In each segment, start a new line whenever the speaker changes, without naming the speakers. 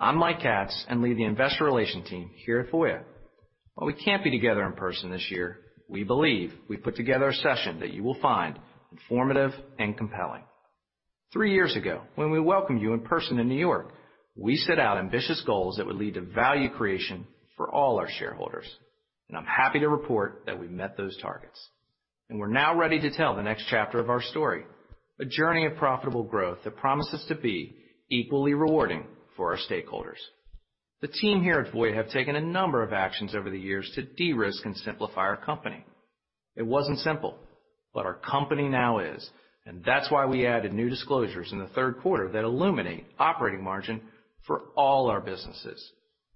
I'm Mike Katz, lead the investor relation team here at Voya. While we can't be together in person this year, we believe we've put together a session that you will find informative and compelling. Three years ago, when we welcomed you in person in New York, we set out ambitious goals that would lead to value creation for all our shareholders. I'm happy to report that we've met those targets. We're now ready to tell the next chapter of our story, a journey of profitable growth that promises to be equally rewarding for our stakeholders. The team here at Voya have taken a number of actions over the years to de-risk and simplify our company. It wasn't simple, but our company now is, and that's why we added new disclosures in the third quarter that illuminate operating margin for all our businesses.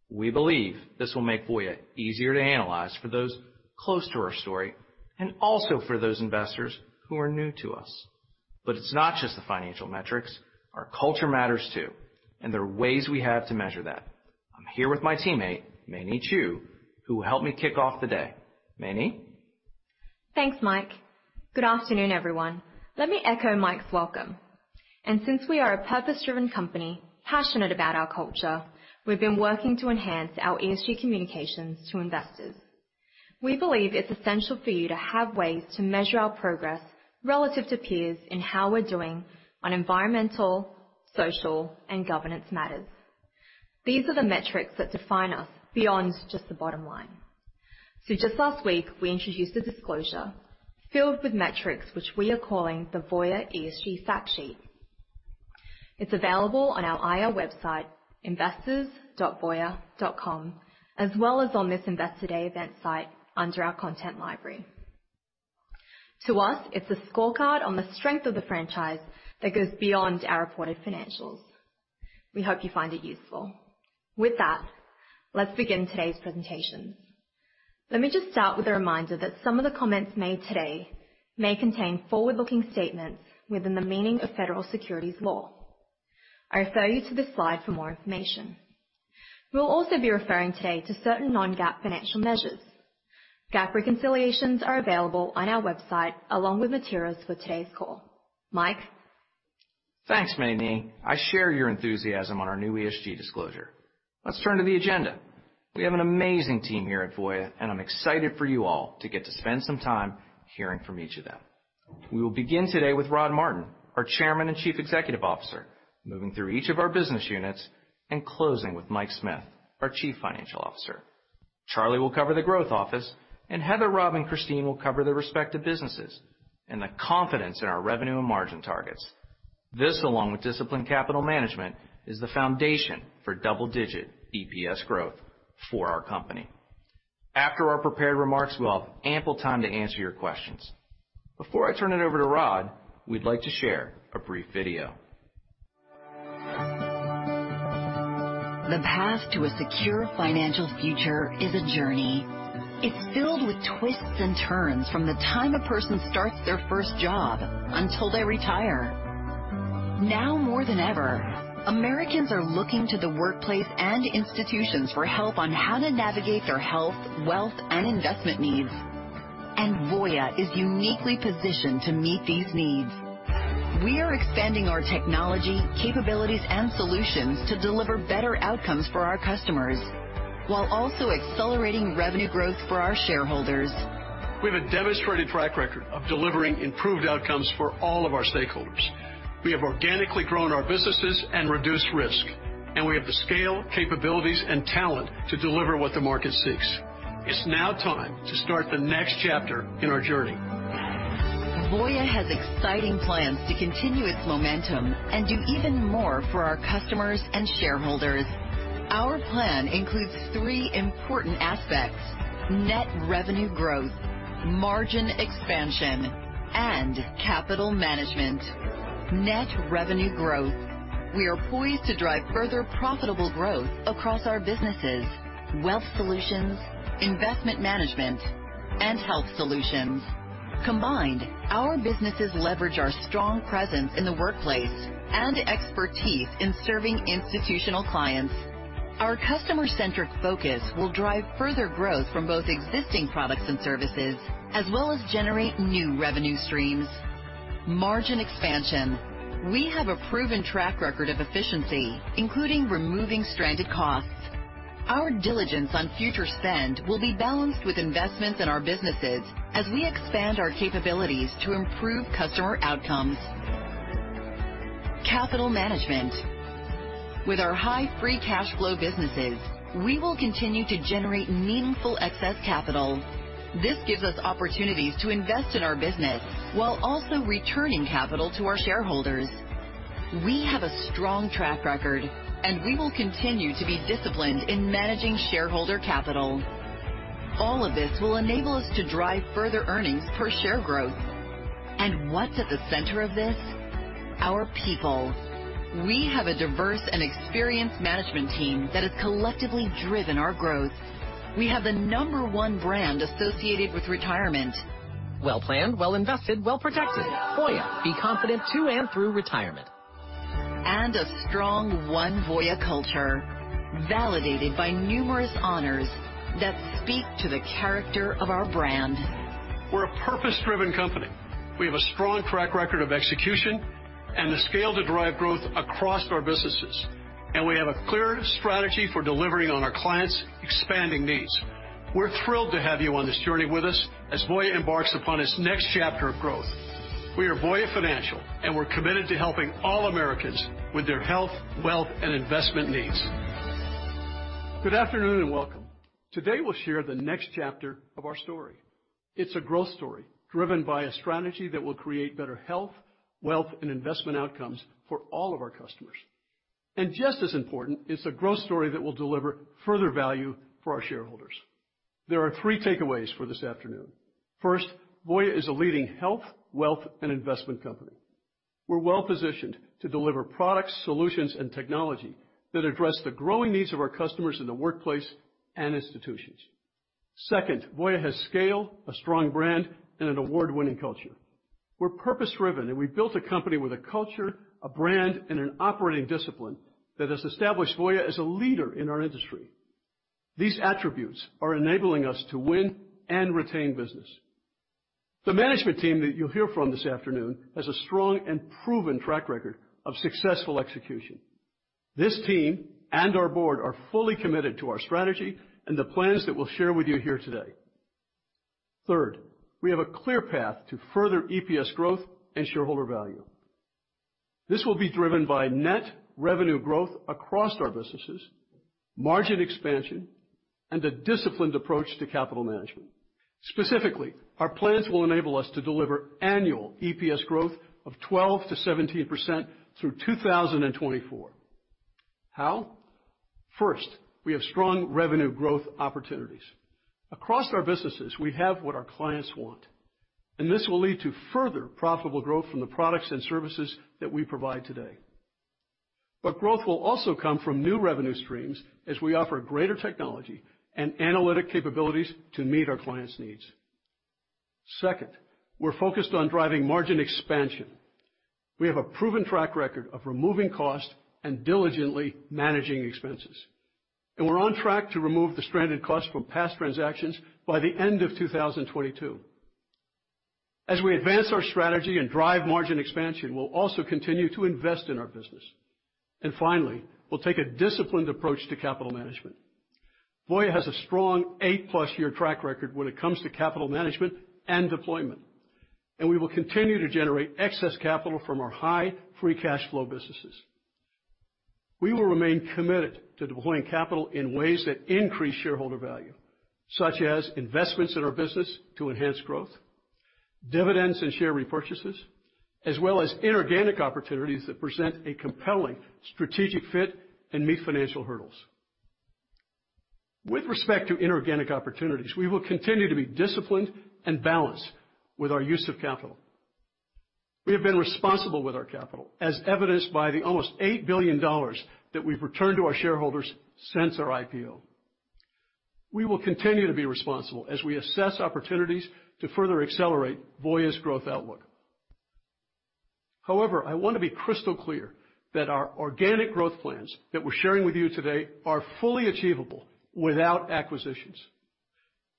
We believe this will make Voya easier to analyze for those close to our story and also for those investors who are new to us. It's not just the financial metrics, our culture matters too, and there are ways we have to measure that. I'm here with my teammate, Mei Ni Chiu, who will help me kick off the day. Mei Ni?
Thanks, Mike. Good afternoon, everyone. Let me echo Mike's welcome. Since we are a purpose-driven company, passionate about our culture, we've been working to enhance our ESG communications to investors. We believe it's essential for you to have ways to measure our progress relative to peers in how we're doing on environmental, social, and governance matters. These are the metrics that define us beyond just the bottom line. Just last week, we introduced a disclosure filled with metrics which we are calling the Voya ESG Fact Sheet. It's available on our IR website, investors.voya.com, as well as on this Investor Day event site under our content library. To us, it's a scorecard on the strength of the franchise that goes beyond our reported financials. We hope you find it useful. With that, let's begin today's presentation. Let me just start with a reminder that some of the comments made today may contain forward-looking statements within the meaning of federal securities law. I refer you to this slide for more information. We will also be referring today to certain non-GAAP financial measures. GAAP reconciliations are available on our website along with materials for today's call. Mike?
Thanks, Mei Ni. I share your enthusiasm on our new ESG disclosure. Let's turn to the agenda. We have an amazing team here at Voya, and I'm excited for you all to get to spend some time hearing from each of them. We will begin today with Rod Martin, our Chairman and Chief Executive Officer, moving through each of our business units and closing with Mike Smith, our Chief Financial Officer. Charlie will cover the growth office, and Heather, Rob, and Christine will cover their respective businesses and the confidence in our revenue and margin targets. This, along with disciplined capital management, is the foundation for double-digit EPS growth for our company. After our prepared remarks, we'll have ample time to answer your questions. Before I turn it over to Rod, we'd like to share a brief video.
The path to a secure financial future is a journey. It's filled with twists and turns from the time a person starts their first job until they retire. Now more than ever, Americans are looking to the workplace and institutions for help on how to navigate their health, wealth, and investment needs. Voya is uniquely positioned to meet these needs. We are expanding our technology, capabilities, and solutions to deliver better outcomes for our customers, while also accelerating revenue growth for our shareholders.
We have a demonstrated track record of delivering improved outcomes for all of our stakeholders. We have organically grown our businesses and reduced risk. We have the scale, capabilities, and talent to deliver what the market seeks. It's now time to start the next chapter in our journey.
Voya has exciting plans to continue its momentum and do even more for our customers and shareholders. Our plan includes three important aspects: net revenue growth, margin expansion, and capital management. Net revenue growth. We are poised to drive further profitable growth across our businesses, Wealth Solutions, Investment Management, and Health Solutions. Combined, our businesses leverage our strong presence in the workplace and expertise in serving institutional clients. Our customer-centric focus will drive further growth from both existing products and services, as well as generate new revenue streams. Margin expansion. We have a proven track record of efficiency, including removing stranded costs. Our diligence on future spend will be balanced with investments in our businesses as we expand our capabilities to improve customer outcomes. Capital management. With our high free cash flow businesses, we will continue to generate meaningful excess capital. This gives us opportunities to invest in our business while also returning capital to our shareholders. We have a strong track record, and we will continue to be disciplined in managing shareholder capital. All of this will enable us to drive further earnings per share growth. What's at the center of this? Our people. We have a diverse and experienced management team that has collectively driven our growth. We have the number one brand associated with retirement. Well planned, well invested, well protected. Voya, be confident to and through retirement. A strong one Voya culture, validated by numerous honors that speak to the character of our brand.
We're a purpose-driven company. We have a strong track record of execution and the scale to drive growth across our businesses, and we have a clear strategy for delivering on our clients' expanding needs. We're thrilled to have you on this journey with us as Voya embarks upon its next chapter of growth. We are Voya Financial, and we're committed to helping all Americans with their health, wealth, and investment needs. Good afternoon, and welcome. Today we'll share the next chapter of our story. It's a growth story driven by a strategy that will create better health, wealth, and investment outcomes for all of our customers. Just as important, it's a growth story that will deliver further value for our shareholders. There are three takeaways for this afternoon. First, Voya is a leading health, wealth, and investment company. We're well-positioned to deliver products, solutions, and technology that address the growing needs of our customers in the workplace and institutions. Second, Voya has scale, a strong brand, and an award-winning culture. We're purpose-driven. We've built a company with a culture, a brand, and an operating discipline that has established Voya as a leader in our industry. These attributes are enabling us to win and retain business. The management team that you'll hear from this afternoon has a strong and proven track record of successful execution. This team and our board are fully committed to our strategy and the plans that we'll share with you here today. Third, we have a clear path to further EPS growth and shareholder value. This will be driven by net revenue growth across our businesses, margin expansion, and a disciplined approach to capital management. Specifically, our plans will enable us to deliver annual EPS growth of 12%-17% through 2024. How? First, we have strong revenue growth opportunities. Across our businesses, we have what our clients want. This will lead to further profitable growth from the products and services that we provide today. Growth will also come from new revenue streams as we offer greater technology and analytic capabilities to meet our clients' needs. Second, we're focused on driving margin expansion. We have a proven track record of removing cost and diligently managing expenses. We're on track to remove the stranded cost from past transactions by the end of 2022. As we advance our strategy and drive margin expansion, we'll also continue to invest in our business. Finally, we'll take a disciplined approach to capital management. Voya has a strong eight-plus year track record when it comes to capital management and deployment. We will continue to generate excess capital from our high free cash flow businesses. We will remain committed to deploying capital in ways that increase shareholder value, such as investments in our business to enhance growth, dividends and share repurchases, as well as inorganic opportunities that present a compelling strategic fit and meet financial hurdles. With respect to inorganic opportunities, we will continue to be disciplined and balanced with our use of capital. We have been responsible with our capital, as evidenced by the almost $8 billion that we've returned to our shareholders since our IPO. We will continue to be responsible as we assess opportunities to further accelerate Voya's growth outlook. I want to be crystal clear that our organic growth plans that we're sharing with you today are fully achievable without acquisitions.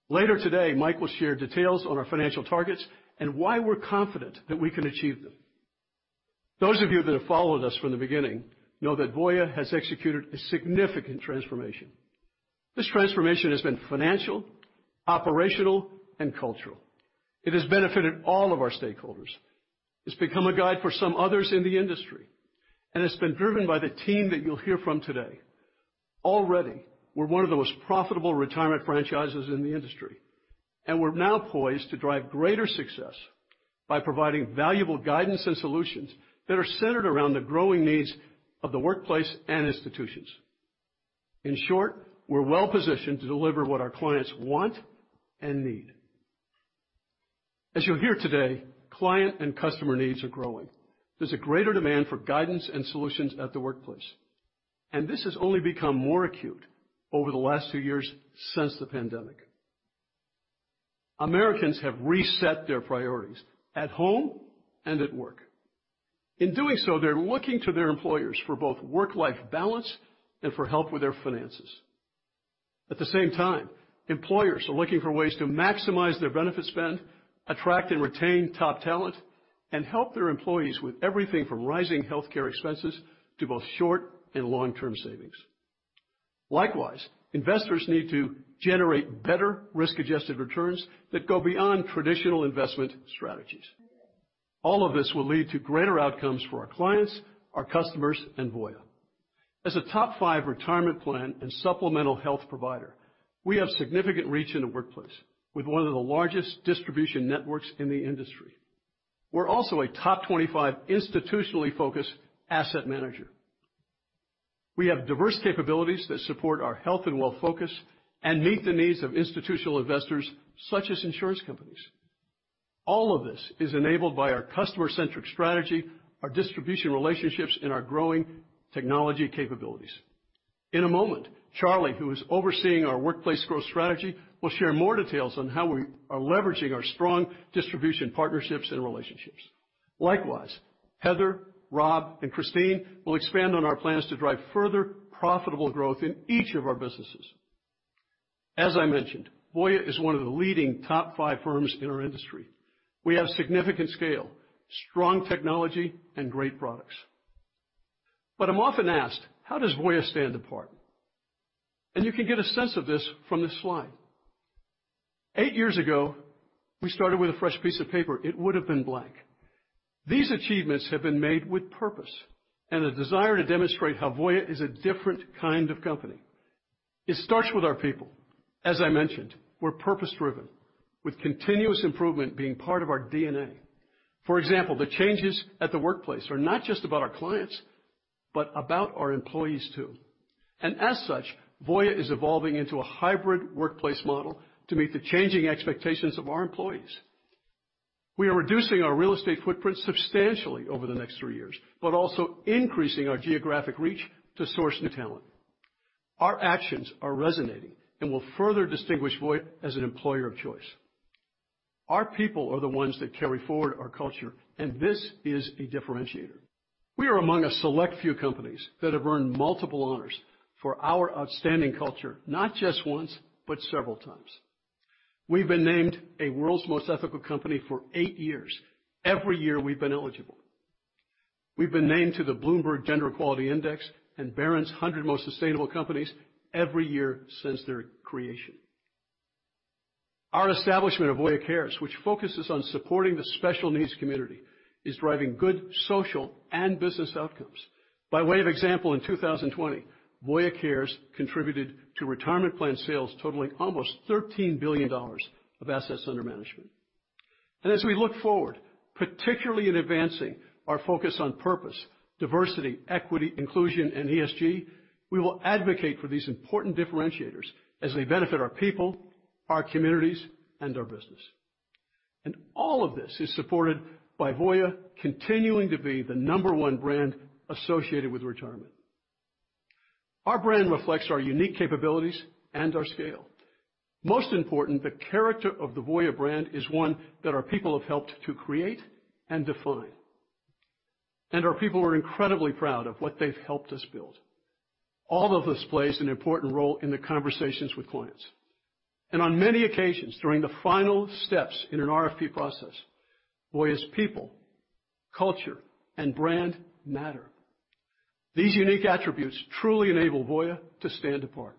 Later today, Mike will share details on our financial targets and why we're confident that we can achieve them. Those of you that have followed us from the beginning know that Voya has executed a significant transformation. This transformation has been financial, operational, and cultural. It has benefited all of our stakeholders. It's become a guide for some others in the industry. It's been driven by the team that you'll hear from today. Already, we're one of the most profitable retirement franchises in the industry. We're now poised to drive greater success by providing valuable guidance and solutions that are centered around the growing needs of the workplace and institutions. In short, we're well-positioned to deliver what our clients want and need. As you'll hear today, client and customer needs are growing. There's a greater demand for guidance and solutions at the workplace, and this has only become more acute over the last few years since the pandemic. Americans have reset their priorities at home and at work. In doing so, they're looking to their employers for both work/life balance and for help with their finances. At the same time, employers are looking for ways to maximize their benefit spend, attract and retain top talent, and help their employees with everything from rising healthcare expenses to both short and long-term savings. Likewise, investors need to generate better risk-adjusted returns that go beyond traditional investment strategies. All of this will lead to greater outcomes for our clients, our customers, and Voya. As a top five retirement plan and supplemental health provider, we have significant reach in the workplace with one of the largest distribution networks in the industry. We're also a top 25 institutionally focused asset manager. We have diverse capabilities that support our health and wealth focus and meet the needs of institutional investors such as insurance companies. All of this is enabled by our customer-centric strategy, our distribution relationships, and our growing technology capabilities. In a moment, Charlie, who is overseeing our workplace growth strategy, will share more details on how we are leveraging our strong distribution partnerships and relationships. Likewise, Heather, Rob, and Christine will expand on our plans to drive further profitable growth in each of our businesses. As I mentioned, Voya is one of the leading top five firms in our industry. We have significant scale, strong technology, and great products. I'm often asked, how does Voya stand apart? You can get a sense of this from this slide. Eight years ago, we started with a fresh piece of paper, it would have been blank. These achievements have been made with purpose and a desire to demonstrate how Voya is a different kind of company. It starts with our people. As I mentioned, we're purpose-driven, with continuous improvement being part of our DNA. For example, the changes at the workplace are not just about our clients, but about our employees, too. As such, Voya is evolving into a hybrid workplace model to meet the changing expectations of our employees. We are reducing our real estate footprint substantially over the next three years, but also increasing our geographic reach to source new talent. Our actions are resonating and will further distinguish Voya as an employer of choice. Our people are the ones that carry forward our culture, and this is a differentiator. We are among a select few companies that have earned multiple honors for our outstanding culture, not just once, but several times. We've been named a World's Most Ethical Companies for eight years, every year we've been eligible. We've been named to the Bloomberg Gender-Equality Index and Barron's 100 Most Sustainable Companies every year since their creation. Our establishment of Voya Cares, which focuses on supporting the special needs community, is driving good social and business outcomes. By way of example, in 2020, Voya Cares contributed to retirement plan sales totaling almost $13 billion of assets under management. As we look forward, particularly in advancing our focus on purpose, diversity, equity, inclusion, and ESG, we will advocate for these important differentiators as they benefit our people, our communities, and our business. All of this is supported by Voya continuing to be the number one brand associated with retirement. Our brand reflects our unique capabilities and our scale. Most important, the character of the Voya brand is one that our people have helped to create and define. Our people are incredibly proud of what they've helped us build. All of this plays an important role in the conversations with clients. On many occasions, during the final steps in an RFP process, Voya's people, culture, and brand matter. These unique attributes truly enable Voya to stand apart.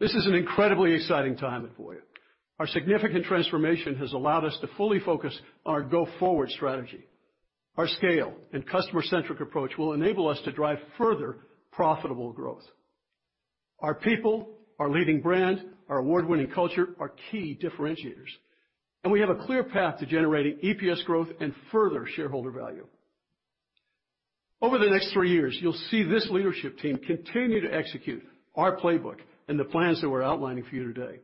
This is an incredibly exciting time at Voya. Our significant transformation has allowed us to fully focus on our go-forward strategy. Our scale and customer-centric approach will enable us to drive further profitable growth. Our people, our leading brand, our award-winning culture, are key differentiators. We have a clear path to generating EPS growth and further shareholder value. Over the next three years, you'll see this leadership team continue to execute our playbook and the plans that we're outlining for you today.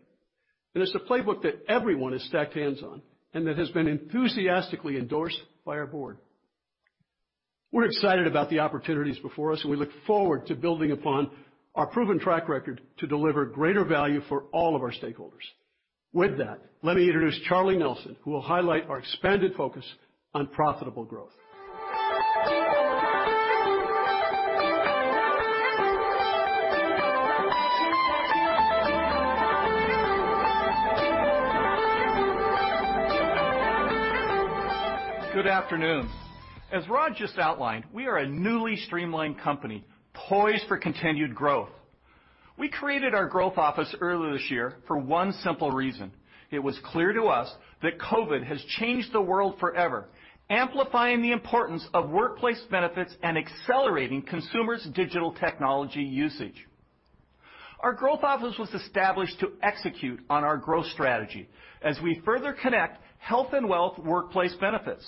It's a playbook that everyone has stacked hands on and that has been enthusiastically endorsed by our board. We're excited about the opportunities before us, and we look forward to building upon our proven track record to deliver greater value for all of our stakeholders. With that, let me introduce Charlie Nelson, who will highlight our expanded focus on profitable growth.
Good afternoon. As Rod just outlined, we are a newly streamlined company poised for continued growth. We created our Growth Office earlier this year for one simple reason. It was clear to us that COVID has changed the world forever, amplifying the importance of workplace benefits and accelerating consumers' digital technology usage. Our Growth Office was established to execute on our growth strategy as we further connect health and wealth workplace benefits.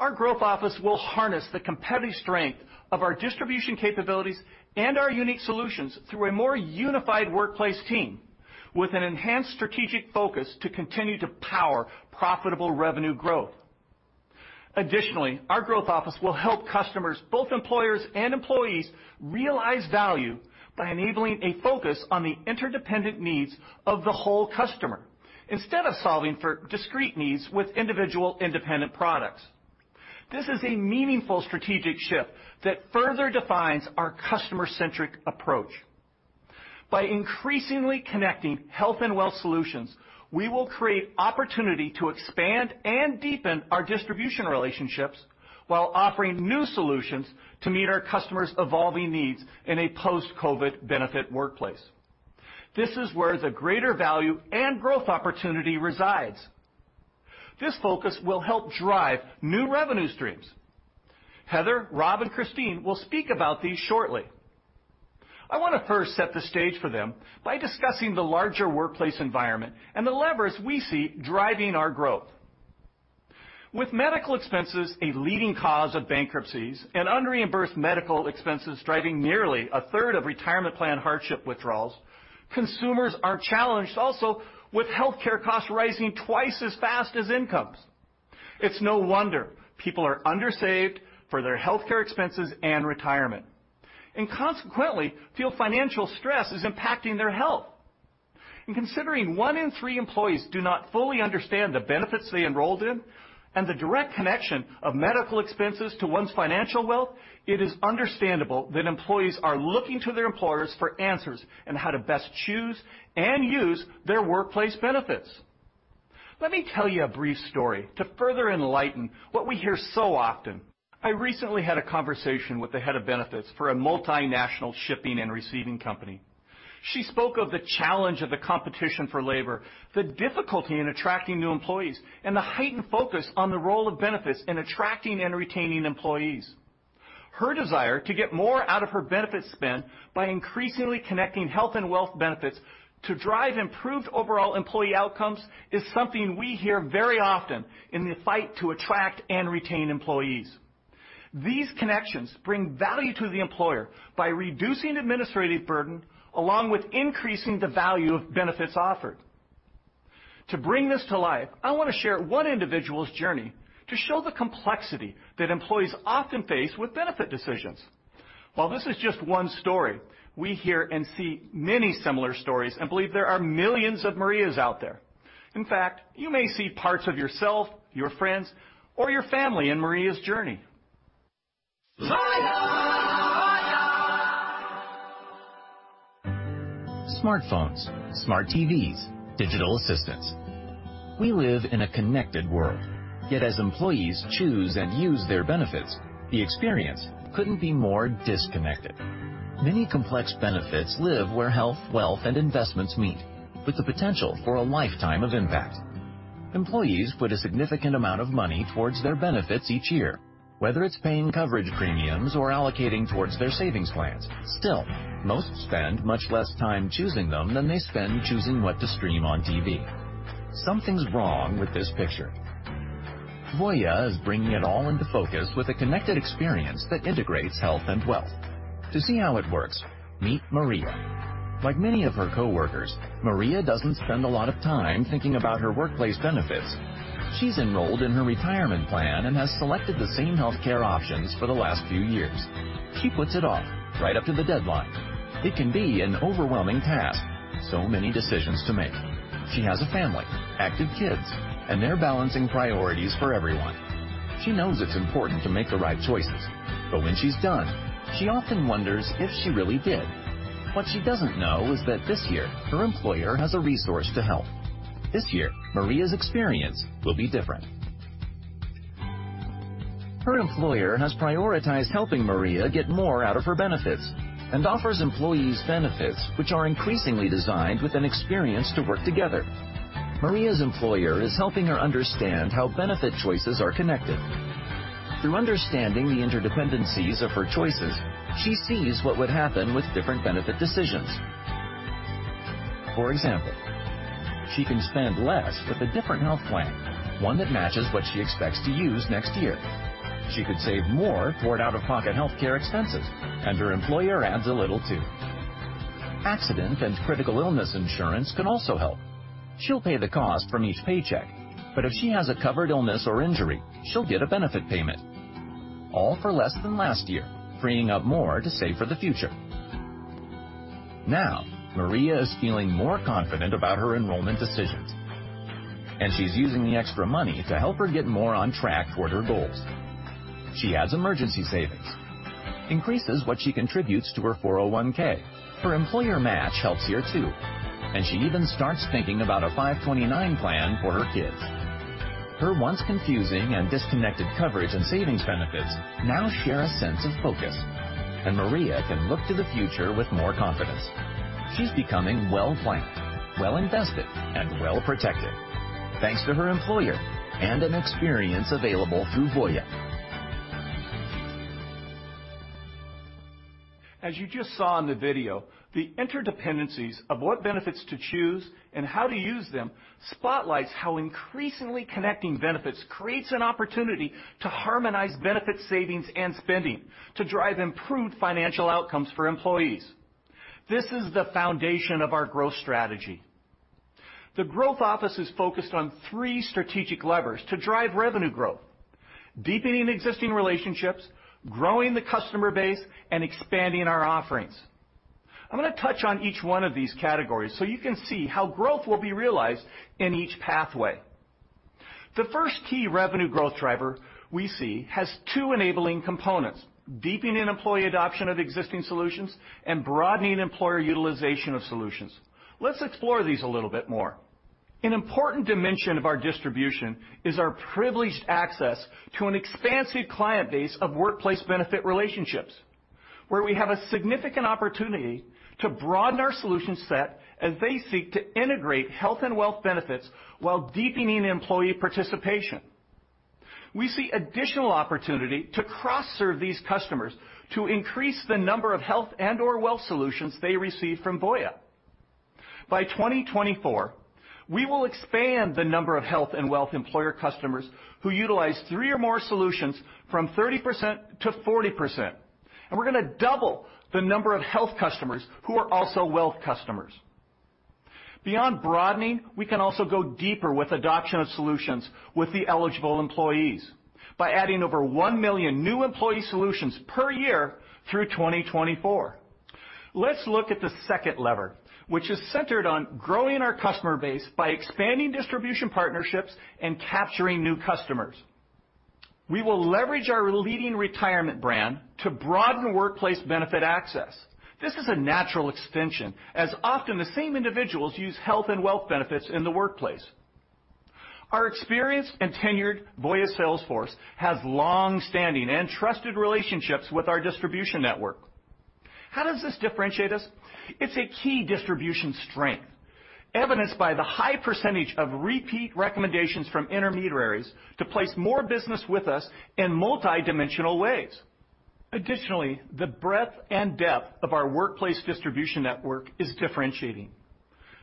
Our Growth Office will harness the competitive strength of our distribution capabilities and our unique solutions through a more unified workplace team with an enhanced strategic focus to continue to power profitable revenue growth. Additionally, our Growth Office will help customers, both employers and employees, realize value by enabling a focus on the interdependent needs of the whole customer instead of solving for discrete needs with individual independent products. This is a meaningful strategic shift that further defines our customer-centric approach. By increasingly connecting Health and Wealth Solutions, we will create opportunity to expand and deepen our distribution relationships while offering new solutions to meet our customers' evolving needs in a post-COVID benefit workplace. This is where the greater value and growth opportunity resides. This focus will help drive new revenue streams. Heather, Rob, and Christine will speak about these shortly. I want to first set the stage for them by discussing the larger workplace environment and the levers we see driving our growth. With medical expenses a leading cause of bankruptcies and unreimbursed medical expenses driving nearly a third of retirement plan hardship withdrawals, consumers are challenged also with healthcare costs rising twice as fast as incomes. It's no wonder people are under-saved for their healthcare expenses and retirement, and consequently, feel financial stress is impacting their health. Considering one in three employees do not fully understand the benefits they enrolled in and the direct connection of medical expenses to one's financial wealth, it is understandable that employees are looking to their employers for answers on how to best choose and use their workplace benefits. Let me tell you a brief story to further enlighten what we hear so often. I recently had a conversation with the head of benefits for a multinational shipping and receiving company. She spoke of the challenge of the competition for labor, the difficulty in attracting new employees, and the heightened focus on the role of benefits in attracting and retaining employees. Her desire to get more out of her benefits spend by increasingly connecting health and wealth benefits to drive improved overall employee outcomes is something we hear very often in the fight to attract and retain employees. These connections bring value to the employer by reducing administrative burden along with increasing the value of benefits offered. To bring this to life, I want to share one individual's journey to show the complexity that employees often face with benefit decisions. While this is just one story, we hear and see many similar stories and believe there are millions of Marias out there. In fact, you may see parts of yourself, your friends, or your family in Maria's journey.
Voya. Smartphones, smart TVs, digital assistants. We live in a connected world. As employees choose and use their benefits, the experience couldn't be more disconnected. Many complex benefits live where health, wealth, and investments meet, with the potential for a lifetime of impact. Employees put a significant amount of money towards their benefits each year, whether it's paying coverage premiums or allocating towards their savings plans. Still, most spend much less time choosing them than they spend choosing what to stream on TV. Something's wrong with this picture. Voya is bringing it all into focus with a connected experience that integrates health and wealth. To see how it works, meet Maria. Like many of her coworkers, Maria doesn't spend a lot of time thinking about her workplace benefits. She's enrolled in her retirement plan and has selected the same healthcare options for the last few years. She puts it off right up to the deadline. It can be an overwhelming task. Many decisions to make. She has a family, active kids, and they're balancing priorities for everyone. She knows it's important to make the right choices, but when she's done, she often wonders if she really did. What she doesn't know is that this year, her employer has a resource to help. This year, Maria's experience will be different. Her employer has prioritized helping Maria get more out of her benefits and offers employees benefits which are increasingly designed with an experience to work together. Maria's employer is helping her understand how benefit choices are connected. Through understanding the interdependencies of her choices, she sees what would happen with different benefit decisions. For example, she can spend less with a different health plan, one that matches what she expects to use next year. She could save more toward out-of-pocket healthcare expenses, her employer adds a little too. Accident and critical illness insurance can also help. She'll pay the cost from each paycheck, but if she has a covered illness or injury, she'll get a benefit payment, all for less than last year, freeing up more to save for the future. Maria is feeling more confident about her enrollment decisions, she's using the extra money to help her get more on track toward her goals. She adds emergency savings, increases what she contributes to her 401. Her employer match helps here too, she even starts thinking about a 529 plan for her kids. Her once confusing and disconnected coverage and savings benefits now share a sense of focus, Maria can look to the future with more confidence. She's becoming well-planned, well-invested, and well-protected, thanks to her employer and an experience available through Voya.
As you just saw in the video, the interdependencies of what benefits to choose and how to use them spotlights how increasingly connecting benefits creates an opportunity to harmonize benefit savings and spending to drive improved financial outcomes for employees. This is the foundation of our growth strategy. The growth office is focused on 3 strategic levers to drive revenue growth, deepening existing relationships, growing the customer base, and expanding our offerings. I'm going to touch on each one of these categories so you can see how growth will be realized in each pathway. The first key revenue growth driver we see has two enabling components, deepening employee adoption of existing solutions and broadening employer utilization of solutions. Let's explore these a little bit more. An important dimension of our distribution is our privileged access to an expansive client base of workplace benefit relationships, where we have a significant opportunity to broaden our solution set as they seek to integrate health and wealth benefits while deepening employee participation. We see additional opportunity to cross-serve these customers to increase the number of health and/or wealth solutions they receive from Voya. By 2024, we will expand the number of health and wealth employer customers who utilize 3 or more solutions from 30%-40%, we're going to double the number of health customers who are also wealth customers. Beyond broadening, we can also go deeper with adoption of solutions with the eligible employees by adding over 1 million new employee solutions per year through 2024. Let's look at the second lever, which is centered on growing our customer base by expanding distribution partnerships and capturing new customers. We will leverage our leading retirement brand to broaden workplace benefit access. This is a natural extension, as often the same individuals use health and wealth benefits in the workplace. Our experienced and tenured Voya sales force has long-standing and trusted relationships with our distribution network. How does this differentiate us? It's a key distribution strength, evidenced by the high percentage of repeat recommendations from intermediaries to place more business with us in multidimensional ways. Additionally, the breadth and depth of our workplace distribution network is differentiating.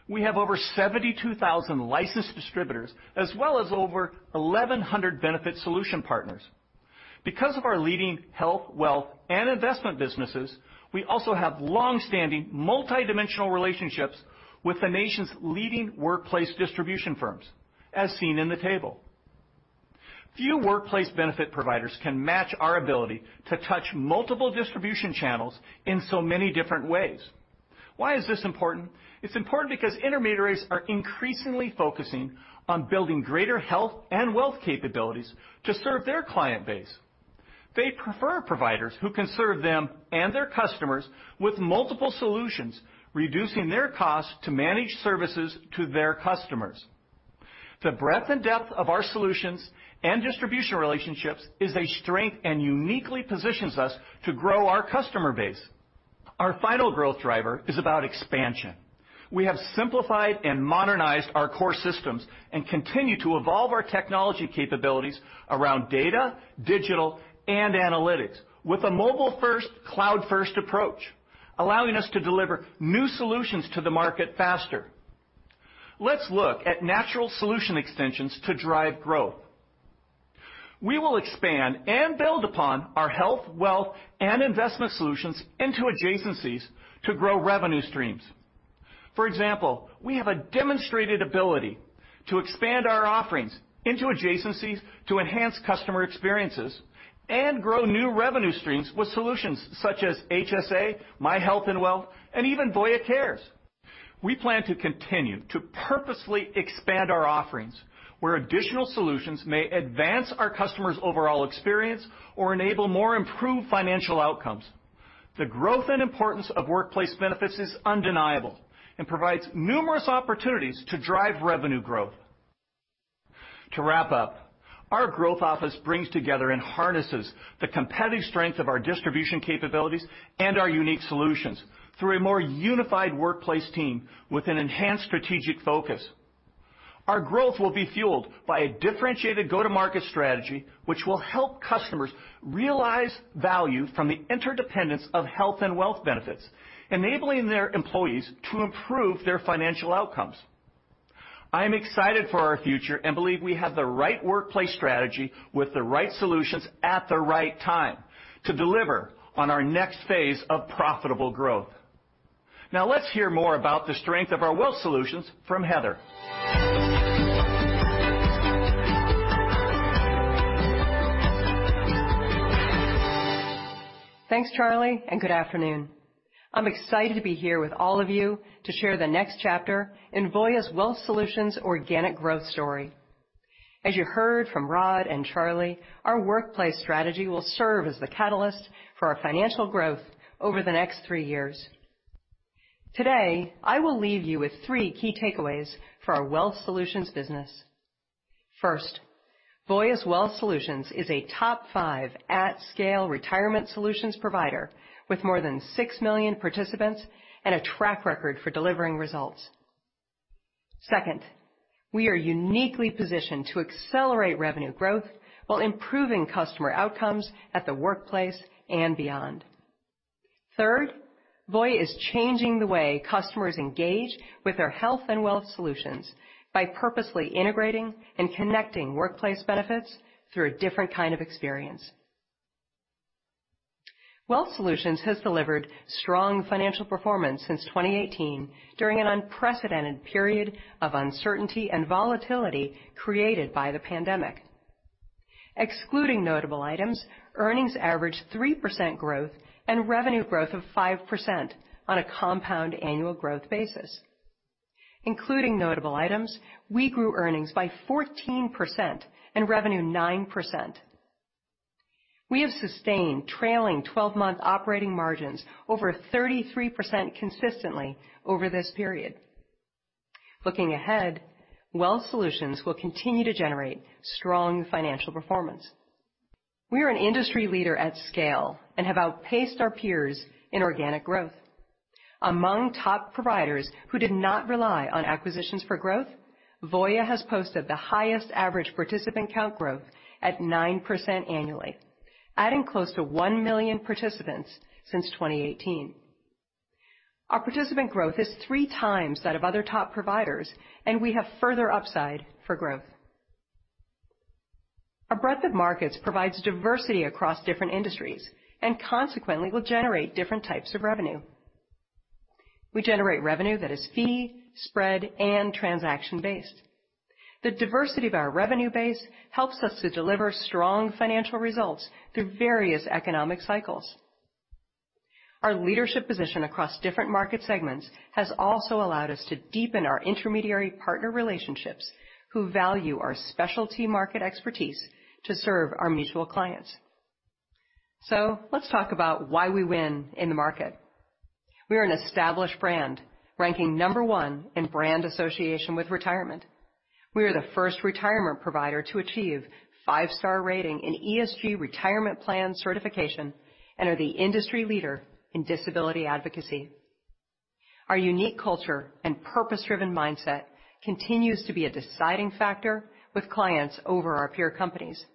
We have over 72,000 licensed distributors as well as over 1,100 benefit solution partners. Because of our leading health, wealth, and investment businesses, we also have long-standing multidimensional relationships with the nation's leading workplace distribution firms, as seen in the table. Few workplace benefit providers can match our ability to touch multiple distribution channels in so many different ways. Why is this important? It's important because intermediaries are increasingly focusing on building greater health and wealth capabilities to serve their client base. They prefer providers who can serve them and their customers with multiple solutions, reducing their cost to manage services to their customers. The breadth and depth of our solutions and distribution relationships is a strength and uniquely positions us to grow our customer base. Our final growth driver is about expansion. We have simplified and modernized our core systems and continue to evolve our technology capabilities around data, digital, and analytics with a mobile-first, cloud-first approach, allowing us to deliver new solutions to the market faster. Let's look at natural solution extensions to drive growth. We will expand and build upon our health, wealth, and investment solutions into adjacencies to grow revenue streams. For example, we have a demonstrated ability to expand our offerings into adjacencies to enhance customer experiences and grow new revenue streams with solutions such as HSA, My Health & Wealth, and even Voya Cares. We plan to continue to purposely expand our offerings where additional solutions may advance our customers' overall experience or enable more improved financial outcomes. The growth and importance of workplace benefits is undeniable and provides numerous opportunities to drive revenue growth. To wrap up, our growth office brings together and harnesses the competitive strength of our distribution capabilities and our unique solutions through a more unified workplace team with an enhanced strategic focus. Our growth will be fueled by a differentiated go-to-market strategy, which will help customers realize value from the interdependence of health and wealth benefits, enabling their employees to improve their financial outcomes. I am excited for our future and believe we have the right workplace strategy with the right solutions at the right time to deliver on our next phase of profitable growth. Now, let's hear more about the strength of our Wealth Solutions from Heather.
Thanks, Charlie, and good afternoon. I'm excited to be here with all of you to share the next chapter in Voya's Wealth Solutions organic growth story. As you heard from Rod and Charlie, our workplace strategy will serve as the catalyst for our financial growth over the next three years. Today, I will leave you with three key takeaways for our Wealth Solutions business. First, Voya's Wealth Solutions is a top-five at-scale retirement solutions provider with more than 6 million participants and a track record for delivering results. Second, we are uniquely positioned to accelerate revenue growth while improving customer outcomes at the workplace and beyond. Third, Voya is changing the way customers engage with their Health and Wealth Solutions by purposely integrating and connecting workplace benefits through a different kind of experience. Wealth Solutions has delivered strong financial performance since 2018 during an unprecedented period of uncertainty and volatility created by the pandemic. Excluding notable items, earnings averaged 3% growth and revenue growth of 5% on a compound annual growth basis. Including notable items, we grew earnings by 14% and revenue 9%. We have sustained trailing 12-month operating margins over 33% consistently over this period. Looking ahead, Wealth Solutions will continue to generate strong financial performance. We are an industry leader at scale and have outpaced our peers in organic growth. Among top providers who did not rely on acquisitions for growth, Voya has posted the highest average participant count growth at 9% annually, adding close to 1 million participants since 2018. Our participant growth is three times that of other top providers, and we have further upside for growth. Our breadth of markets provides diversity across different industries, and consequently will generate different types of revenue. We generate revenue that is fee, spread, and transaction-based. The diversity of our revenue base helps us to deliver strong financial results through various economic cycles. Our leadership position across different market segments has also allowed us to deepen our intermediary partner relationships, who value our specialty market expertise to serve our mutual clients. Let's talk about why we win in the market. We are an established brand, ranking number one in brand association with retirement. We are the first retirement provider to achieve five-star rating in ESG retirement plan certification and are the industry leader in disability advocacy. Our unique culture and purpose-driven mindset continues to be a deciding factor with clients over our peer companies.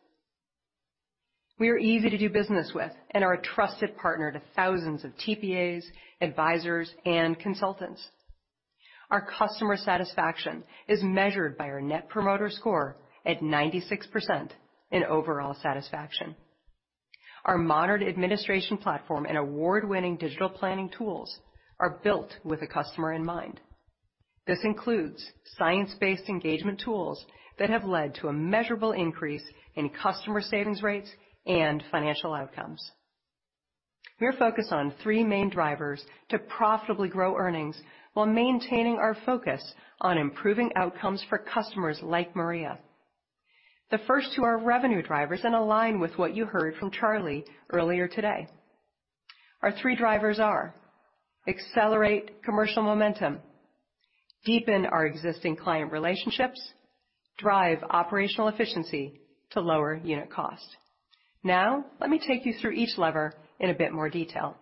We are easy to do business with and are a trusted partner to thousands of TPAs, advisors, and consultants. Our customer satisfaction is measured by our Net Promoter Score at 96% in overall satisfaction. Our modern administration platform and award-winning digital planning tools are built with the customer in mind. This includes science-based engagement tools that have led to a measurable increase in customer savings rates and financial outcomes. We are focused on three main drivers to profitably grow earnings while maintaining our focus on improving outcomes for customers like Maria. The first two are revenue drivers and align with what you heard from Charlie earlier today. Our three drivers are accelerate commercial momentum, deepen our existing client relationships, drive operational efficiency to lower unit cost. Let me take you through each lever in a bit more detail.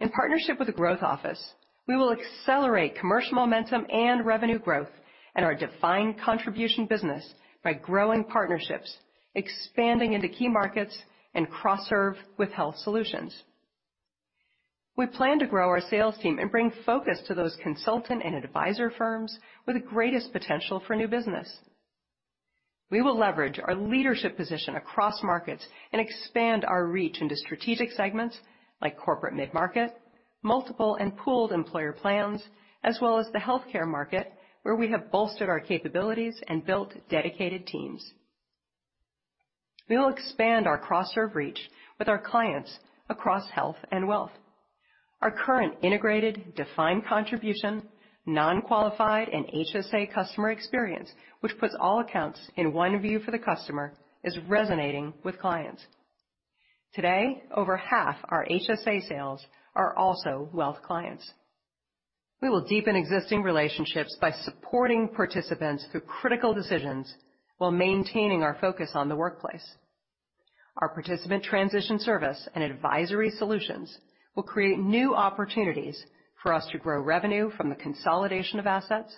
In partnership with the Growth Office, we will accelerate commercial momentum and revenue growth in our defined contribution business by growing partnerships, expanding into key markets, and cross-serve with Health Solutions. We plan to grow our sales team and bring focus to those consultant and advisor firms with the greatest potential for new business. We will leverage our leadership position across markets and expand our reach into strategic segments like corporate mid-market, multiple and pooled employer plans, as well as the healthcare market, where we have bolstered our capabilities and built dedicated teams. We will expand our cross-serve reach with our clients across health and wealth. Our current integrated defined contribution, non-qualified, and HSA customer experience, which puts all accounts in one view for the customer, is resonating with clients. Today, over half our HSA sales are also wealth clients. We will deepen existing relationships by supporting participants through critical decisions while maintaining our focus on the workplace. Our participant transition service and advisory solutions will create new opportunities for us to grow revenue from the consolidation of assets,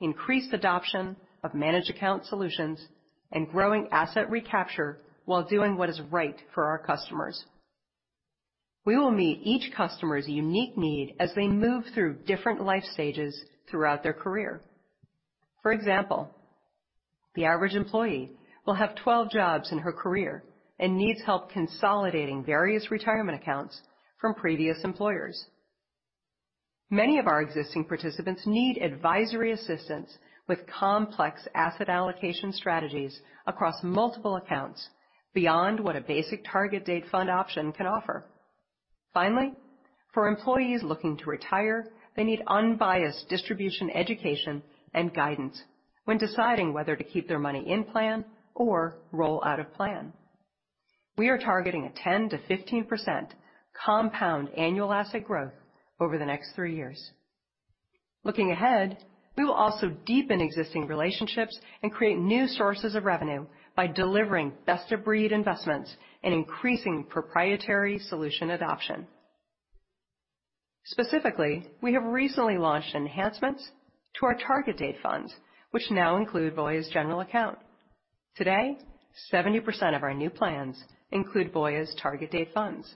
increased adoption of managed account solutions, and growing asset recapture while doing what is right for our customers. We will meet each customer's unique need as they move through different life stages throughout their career. For example, the average employee will have 12 jobs in her career and needs help consolidating various retirement accounts from previous employers. Many of our existing participants need advisory assistance with complex asset allocation strategies across multiple accounts, beyond what a basic target date fund option can offer. Finally, for employees looking to retire, they need unbiased distribution education and guidance when deciding whether to keep their money in-plan or roll out of plan. We are targeting a 10%-15% compound annual asset growth over the next three years. Looking ahead, we will also deepen existing relationships and create new sources of revenue by delivering best-of-breed investments and increasing proprietary solution adoption. Specifically, we have recently launched enhancements to our target date funds, which now include Voya's general account. Today, 70% of our new plans include Voya's target date funds.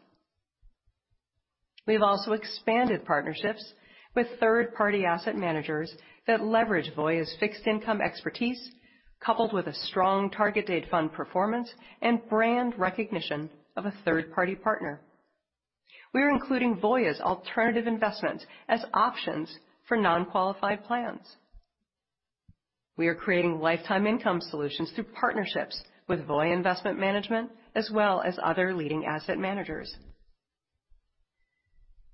We've also expanded partnerships with third-party asset managers that leverage Voya's fixed income expertise, coupled with a strong target date fund performance and brand recognition of a third-party partner. We are including Voya's alternative investment as options for non-qualified plans. We are creating lifetime income solutions through partnerships with Voya Investment Management, as well as other leading asset managers.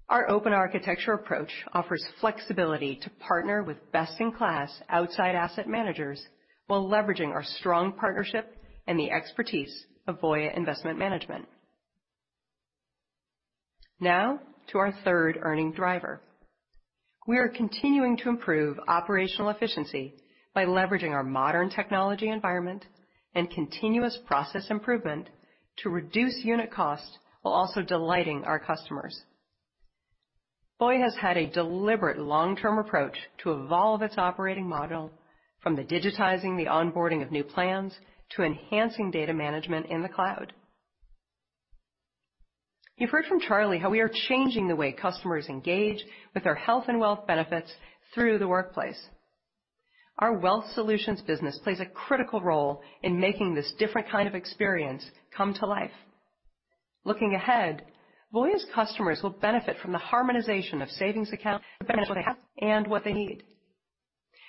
Our open architecture approach offers flexibility to partner with best-in-class outside asset managers while leveraging our strong partnership and the expertise of Voya Investment Management. Now to our third earning driver. We are continuing to improve operational efficiency by leveraging our modern technology environment and continuous process improvement to reduce unit cost while also delighting our customers. Voya has had a deliberate long-term approach to evolve its operating model, from digitizing the onboarding of new plans to enhancing data management in the cloud. You've heard from Charlie how we are changing the way customers engage with their health and wealth benefits through the workplace. Our Wealth Solutions business plays a critical role in making this different kind of experience come to life. Looking ahead, Voya's customers will benefit from the harmonization of savings accounts, the benefits they have, and what they need.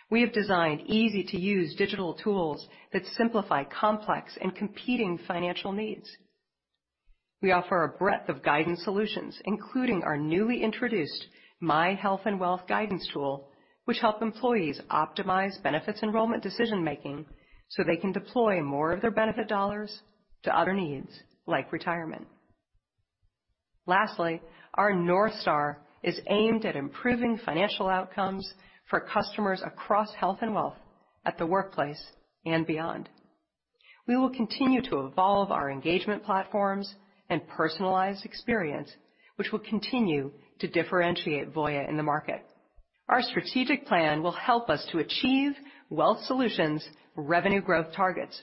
We have designed easy-to-use digital tools that simplify complex and competing financial needs. We offer a breadth of guidance solutions, including our newly introduced My Health & Wealth guidance tool, which help employees optimize benefits enrollment decision-making so they can deploy more of their benefit dollars to other needs, like retirement. Lastly, our North Star is aimed at improving financial outcomes for customers across health and wealth at the workplace and beyond. We will continue to evolve our engagement platforms and personalize experience, which will continue to differentiate Voya in the market. Our strategic plan will help us to achieve Wealth Solutions revenue growth targets.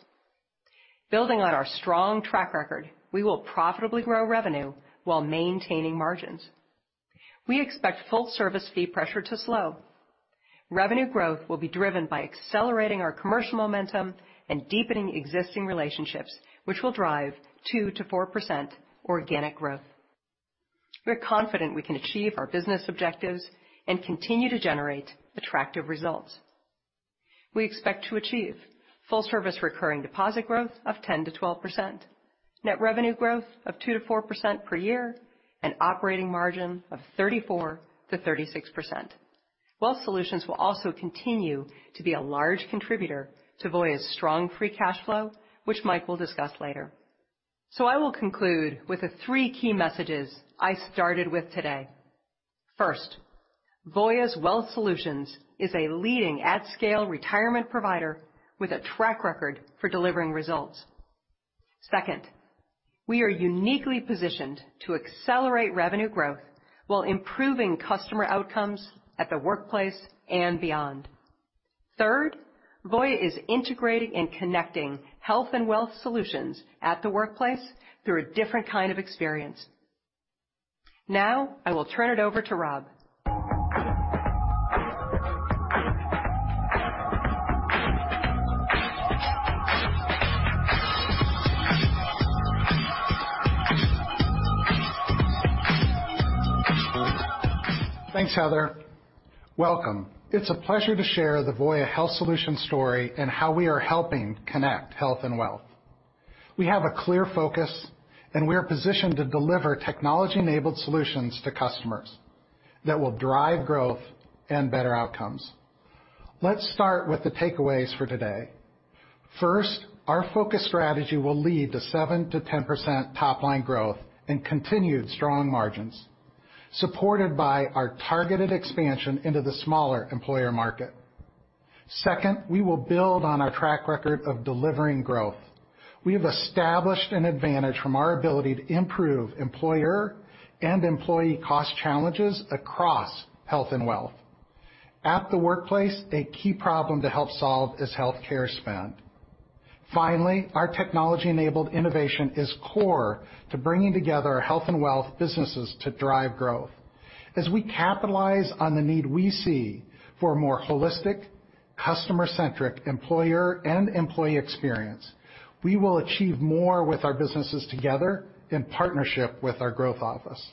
Building on our strong track record, we will profitably grow revenue while maintaining margins. We expect full-service fee pressure to slow. Revenue growth will be driven by accelerating our commercial momentum and deepening existing relationships, which will drive 2%-4% organic growth. We are confident we can achieve our business objectives and continue to generate attractive results. We expect to achieve full-service recurring deposit growth of 10%-12%, net revenue growth of 2%-4% per year, and operating margin of 34%-36%. Wealth Solutions will also continue to be a large contributor to Voya's strong free cash flow, which Mike will discuss later. I will conclude with the three key messages I started with today. First, Voya's Wealth Solutions is a leading at-scale retirement provider with a track record for delivering results. Second, we are uniquely positioned to accelerate revenue growth while improving customer outcomes at the workplace and beyond. Third, Voya is integrating and connecting Health Solutions and Wealth Solutions at the workplace through a different kind of experience. Now, I will turn it over to Rob.
Thanks, Heather. Welcome. It's a pleasure to share the Voya Health Solutions story and how we are helping connect Health Solutions and Wealth Solutions. We have a clear focus, and we are positioned to deliver technology-enabled solutions to customers that will drive growth and better outcomes. Let's start with the takeaways for today. First, our focus strategy will lead to 7%-10% top-line growth and continued strong margins, supported by our targeted expansion into the smaller employer market. Second, we will build on our track record of delivering growth. We have established an advantage from our ability to improve employer and employee cost challenges across health and wealth. At the workplace, a key problem to help solve is healthcare spend. Finally, our technology-enabled innovation is core to bringing together our Health Solutions and Wealth Solutions businesses to drive growth. As we capitalize on the need we see for a more holistic, customer-centric employer and employee experience, we will achieve more with our businesses together in partnership with our growth office.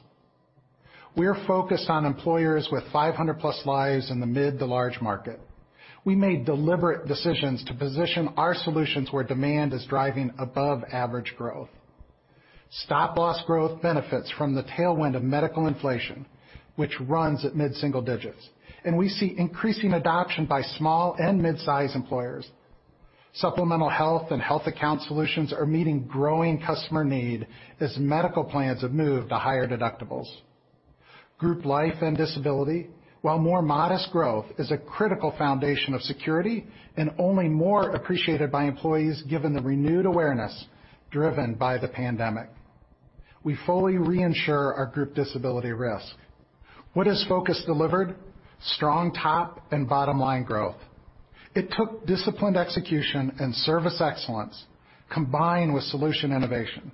We are focused on employers with 500-plus lives in the mid to large market. We made deliberate decisions to position our solutions where demand is driving above-average growth. stop-loss growth benefits from the tailwind of medical inflation, which runs at mid-single digits, and we see increasing adoption by small and mid-size employers. Supplemental health and health account solutions are meeting growing customer need as medical plans have moved to higher deductibles. Group life and disability, while more modest growth, is a critical foundation of security and only more appreciated by employees given the renewed awareness driven by the pandemic. We fully reinsure our group disability risk. What has focus delivered? Strong top and bottom-line growth. It took disciplined execution and service excellence, combined with solution innovation.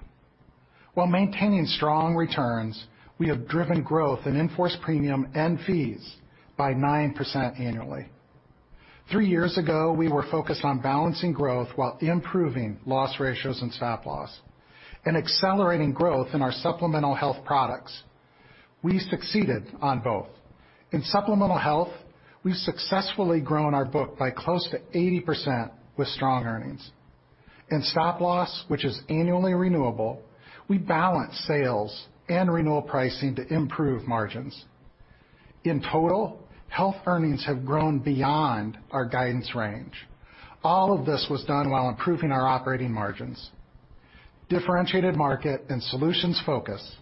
While maintaining strong returns, we have driven growth in in-force premium and fees by 9% annually. Three years ago, we were focused on balancing growth while improving loss ratios and stop-loss, and accelerating growth in our supplemental health products. We succeeded on both. In supplemental health, we've successfully grown our book by close to 80% with strong earnings. In stop-loss, which is annually renewable, we balance sales and renewal pricing to improve margins. In total, health earnings have grown beyond our guidance range. All of this was done while improving our operating margins. Differentiated market and solutions focus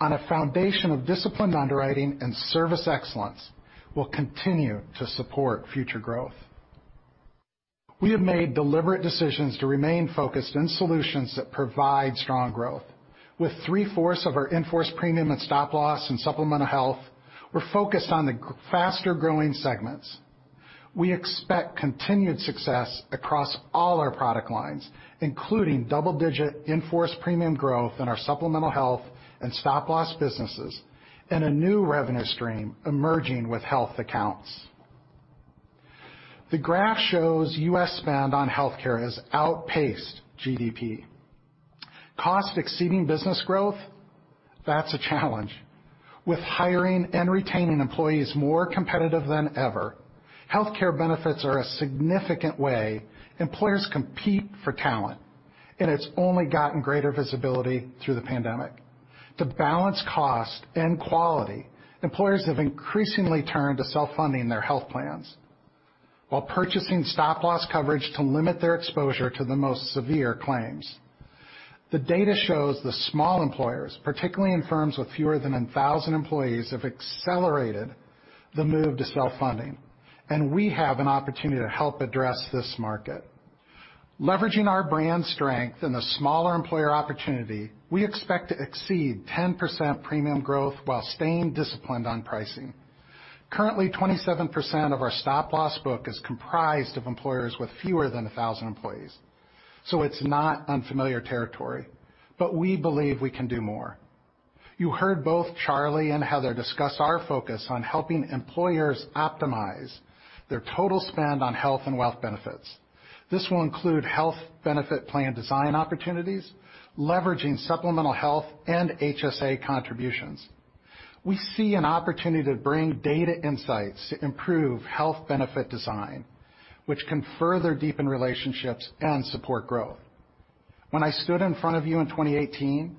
on a foundation of disciplined underwriting and service excellence will continue to support future growth. We have made deliberate decisions to remain focused in solutions that provide strong growth. With three-fourths of our in-force premium in stop-loss and supplemental health, we're focused on the faster-growing segments. We expect continued success across all our product lines, including double-digit in-force premium growth in our supplemental health and stop-loss businesses, and a new revenue stream emerging with health accounts. The graph shows U.S. spend on healthcare has outpaced GDP. Cost exceeding business growth, that's a challenge. With hiring and retaining employees more competitive than ever, healthcare benefits are a significant way employers compete for talent, and it's only gotten greater visibility through the pandemic. To balance cost and quality, employers have increasingly turned to self-funding their health plans while purchasing stop-loss coverage to limit their exposure to the most severe claims. The data shows the small employers, particularly in firms with fewer than 1,000 employees, have accelerated the move to self-funding, and we have an opportunity to help address this market. Leveraging our brand strength in the smaller employer opportunity, we expect to exceed 10% premium growth while staying disciplined on pricing. Currently, 27% of our stop-loss book is comprised of employers with fewer than 1,000 employees, so it's not unfamiliar territory, but we believe we can do more. You heard both Charlie and Heather discuss our focus on helping employers optimize their total spend on health and wealth benefits. This will include health benefit plan design opportunities, leveraging supplemental health, and HSA contributions. We see an opportunity to bring data insights to improve health benefit design, which can further deepen relationships and support growth. When I stood in front of you in 2018,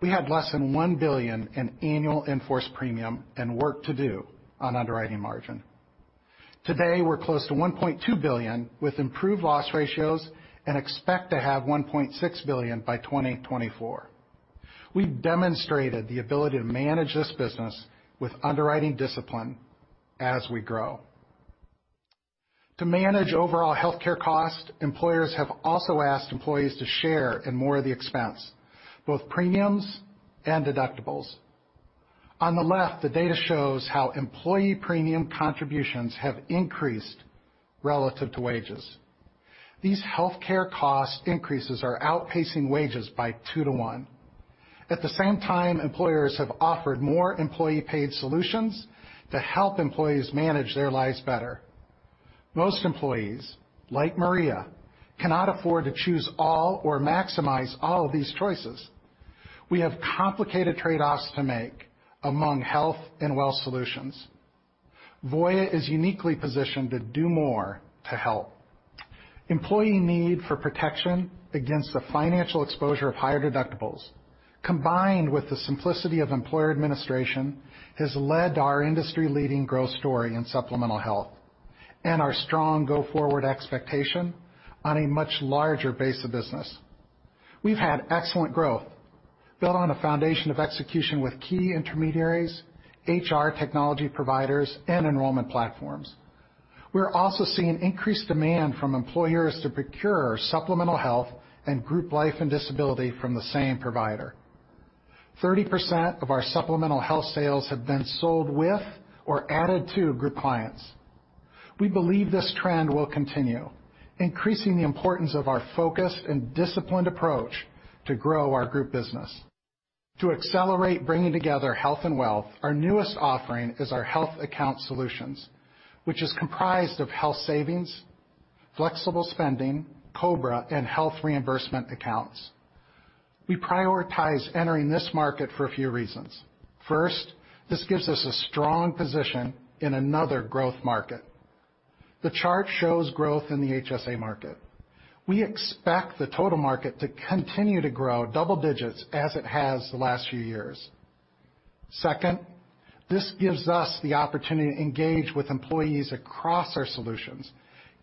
we had less than $1 billion in annual in-force premium and work to do on underwriting margin. Today, we're close to $1.2 billion, with improved loss ratios, and expect to have $1.6 billion by 2024. We've demonstrated the ability to manage this business with underwriting discipline as we grow. To manage overall healthcare cost, employers have also asked employees to share in more of the expense, both premiums and deductibles. On the left, the data shows how employee premium contributions have increased relative to wages. These healthcare cost increases are outpacing wages by two to one. At the same time, employers have offered more employee-paid solutions to help employees manage their lives better. Most employees, like Maria, cannot afford to choose all or maximize all of these choices. We have complicated trade-offs to make among health and wealth solutions. Voya is uniquely positioned to do more to help. Employee need for protection against the financial exposure of higher deductibles, combined with the simplicity of employer administration, has led to our industry-leading growth story in supplemental health and our strong go-forward expectation on a much larger base of business. We've had excellent growth built on a foundation of execution with key intermediaries, HR technology providers, and enrollment platforms. We're also seeing increased demand from employers to procure supplemental health and group life and disability from the same provider. 30% of our supplemental health sales have been sold with or added to group clients. We believe this trend will continue, increasing the importance of our focused and disciplined approach to grow our group business. To accelerate bringing together health and wealth, our newest offering is our health account solutions, which is comprised of health savings, flexible spending, COBRA, and health reimbursement accounts. We prioritize entering this market for a few reasons. First, this gives us a strong position in another growth market. The chart shows growth in the HSA market. We expect the total market to continue to grow double digits as it has the last few years. Second, this gives us the opportunity to engage with employees across our solutions,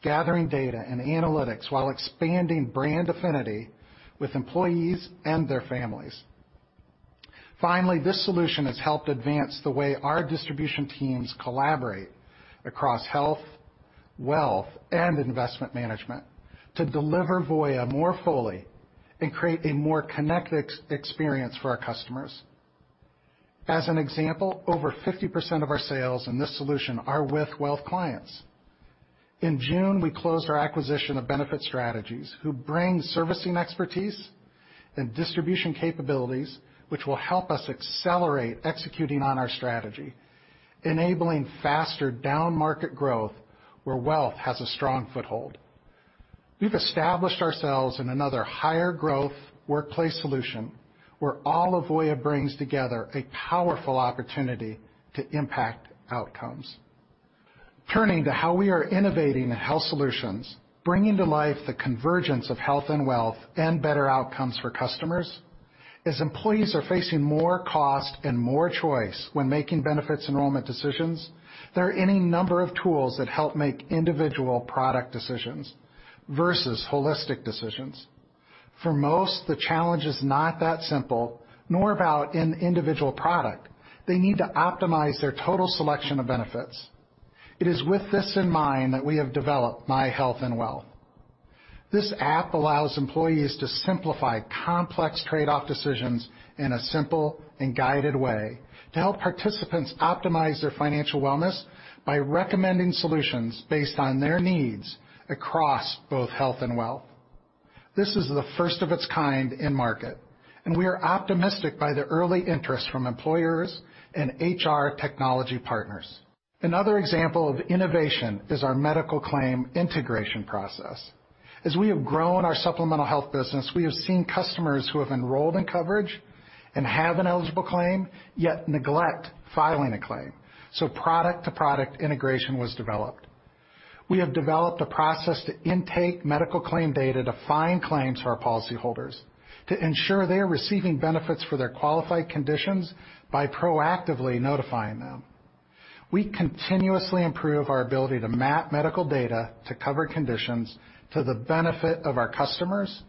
gathering data and analytics while expanding brand affinity with employees and their families. Finally, this solution has helped advance the way our distribution teams collaborate across health, wealth, and Investment Management to deliver Voya more fully and create a more connected experience for our customers. As an example, over 50% of our sales in this solution are with wealth clients. In June, we closed our acquisition of Benefit Strategies, who bring servicing expertise and distribution capabilities, which will help us accelerate executing on our strategy, enabling faster down-market growth where wealth has a strong foothold. We've established ourselves in another higher growth workplace solution where all of Voya brings together a powerful opportunity to impact outcomes. Turning to how we are innovating Health Solutions, bringing to life the convergence of health and wealth and better outcomes for customers. As employees are facing more cost and more choice when making benefits enrollment decisions, there are any number of tools that help make individual product decisions versus holistic decisions. For most, the challenge is not that simple, nor about an individual product. They need to optimize their total selection of benefits. It is with this in mind that we have developed My Health & Wealth. This app allows employees to simplify complex trade-off decisions in a simple and guided way to help participants optimize their financial wellness by recommending solutions based on their needs across both health and wealth. This is the first of its kind in market, and we are optimistic by the early interest from employers and HR technology partners. Another example of innovation is our medical claim integration process. As we have grown our supplemental health business, we have seen customers who have enrolled in coverage and have an eligible claim, yet neglect filing a claim. Product-to-product integration was developed. We have developed a process to intake medical claim data to find claims for our policyholders to ensure they are receiving benefits for their qualified conditions by proactively notifying them. We continuously improve our ability to map medical data to cover conditions to the benefit of our customers,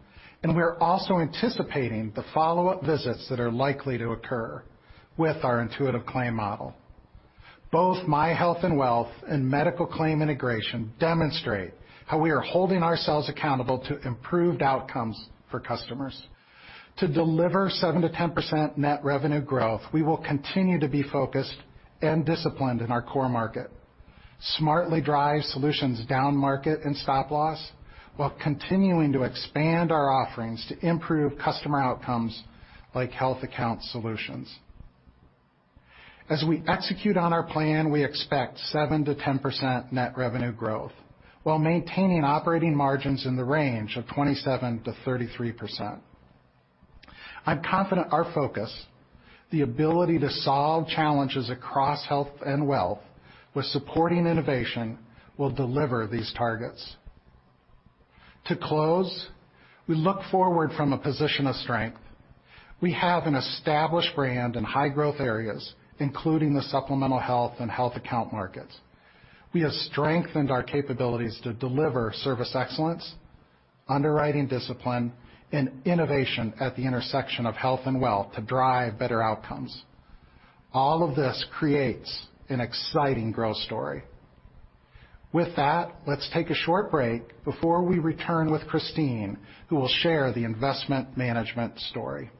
and we are also anticipating the follow-up visits that are likely to occur with our intuitive claim model. Both My Health & Wealth and medical claim integration demonstrate how we are holding ourselves accountable to improved outcomes for customers. To deliver 7%-10% net revenue growth, we will continue to be focused and disciplined in our core market, smartly drive solutions down-market in stop-loss, while continuing to expand our offerings to improve customer outcomes like health account solutions. As we execute on our plan, we expect 7%-10% net revenue growth while maintaining operating margins in the range of 27%-33%. I'm confident our focus, the ability to solve challenges across health and wealth with supporting innovation, will deliver these targets. To close, we look forward from a position of strength. We have an established brand in high-growth areas, including the supplemental health and health account markets. We have strengthened our capabilities to deliver service excellence, underwriting discipline, and innovation at the intersection of health and wealth to drive better outcomes. All of this creates an exciting growth story. With that, let's take a short break before we return with Christine, who will share the investment management story.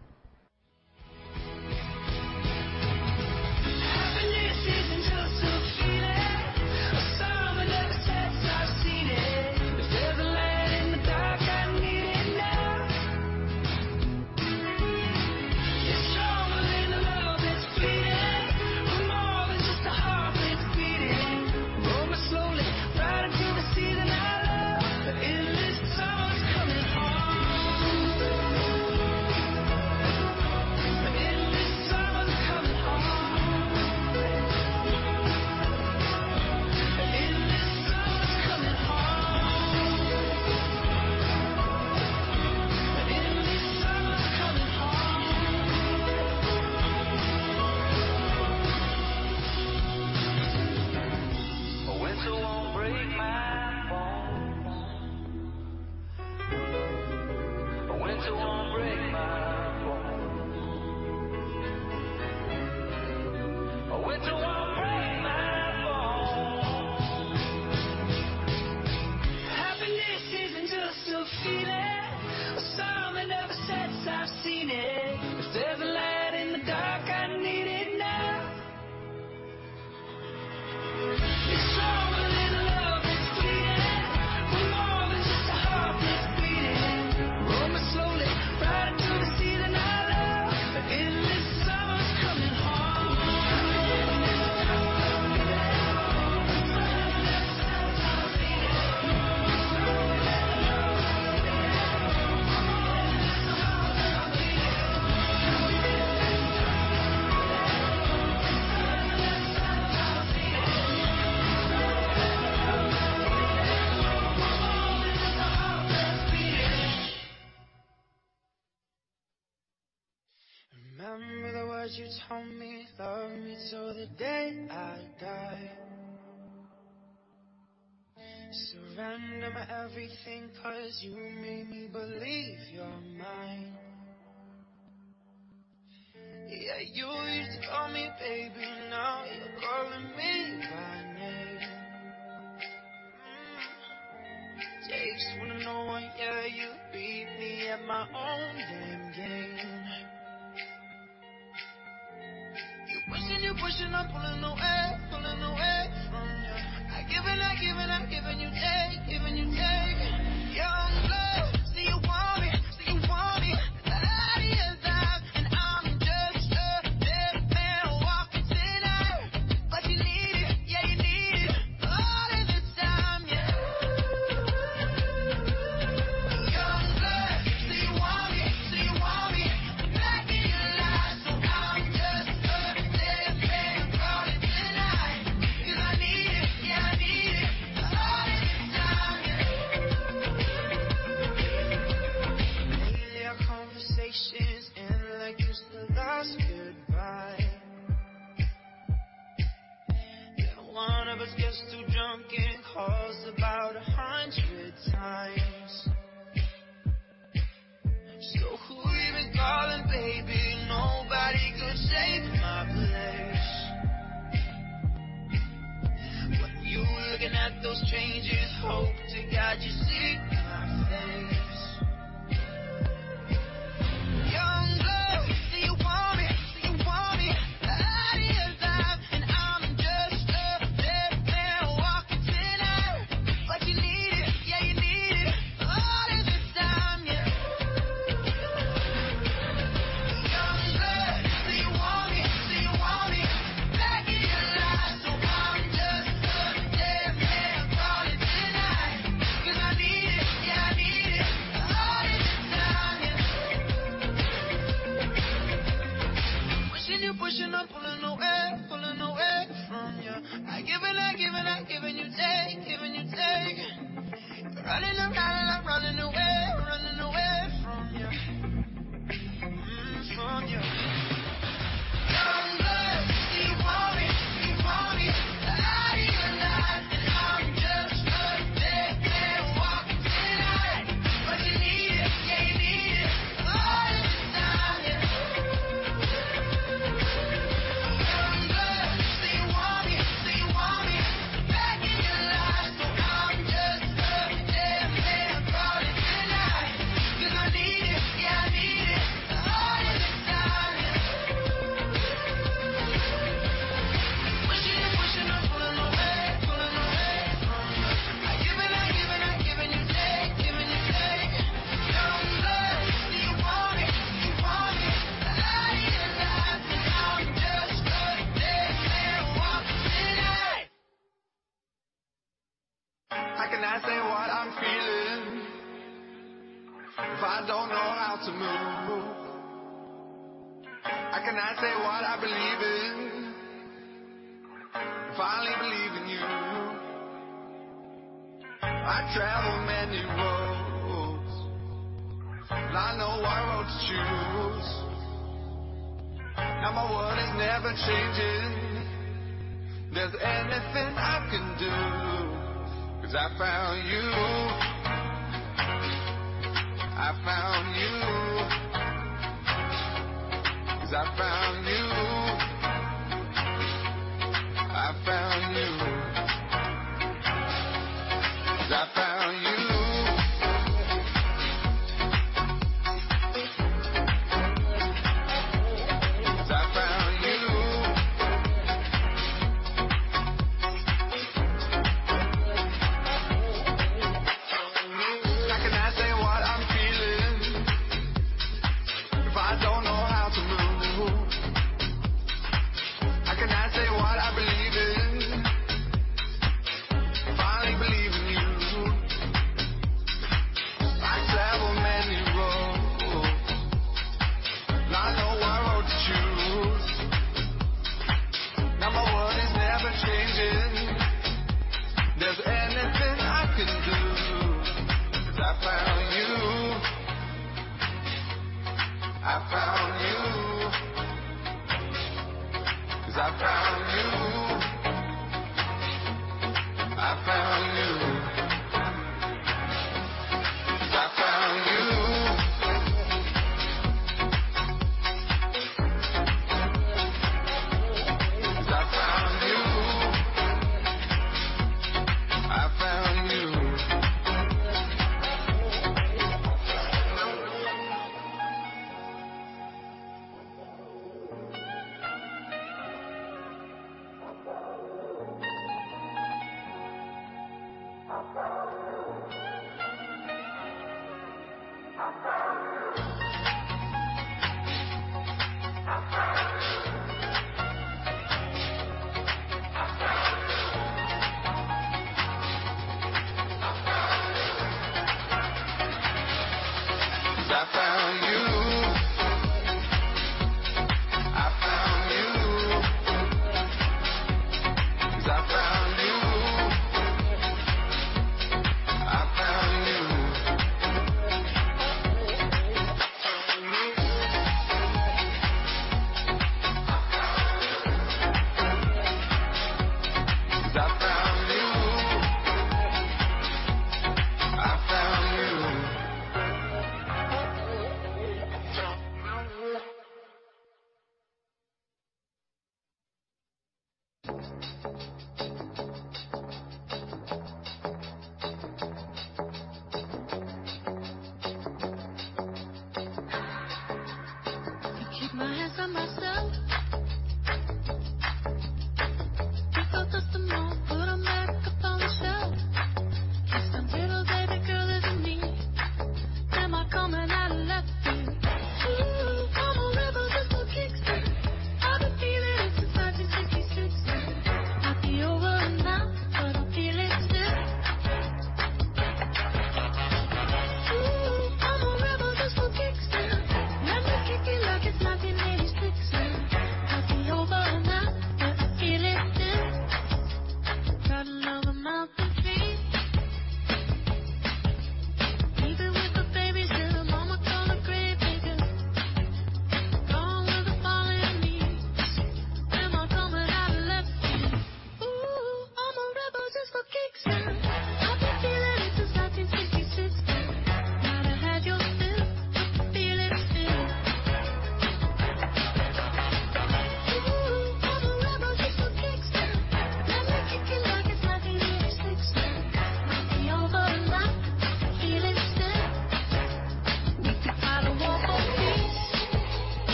{Break}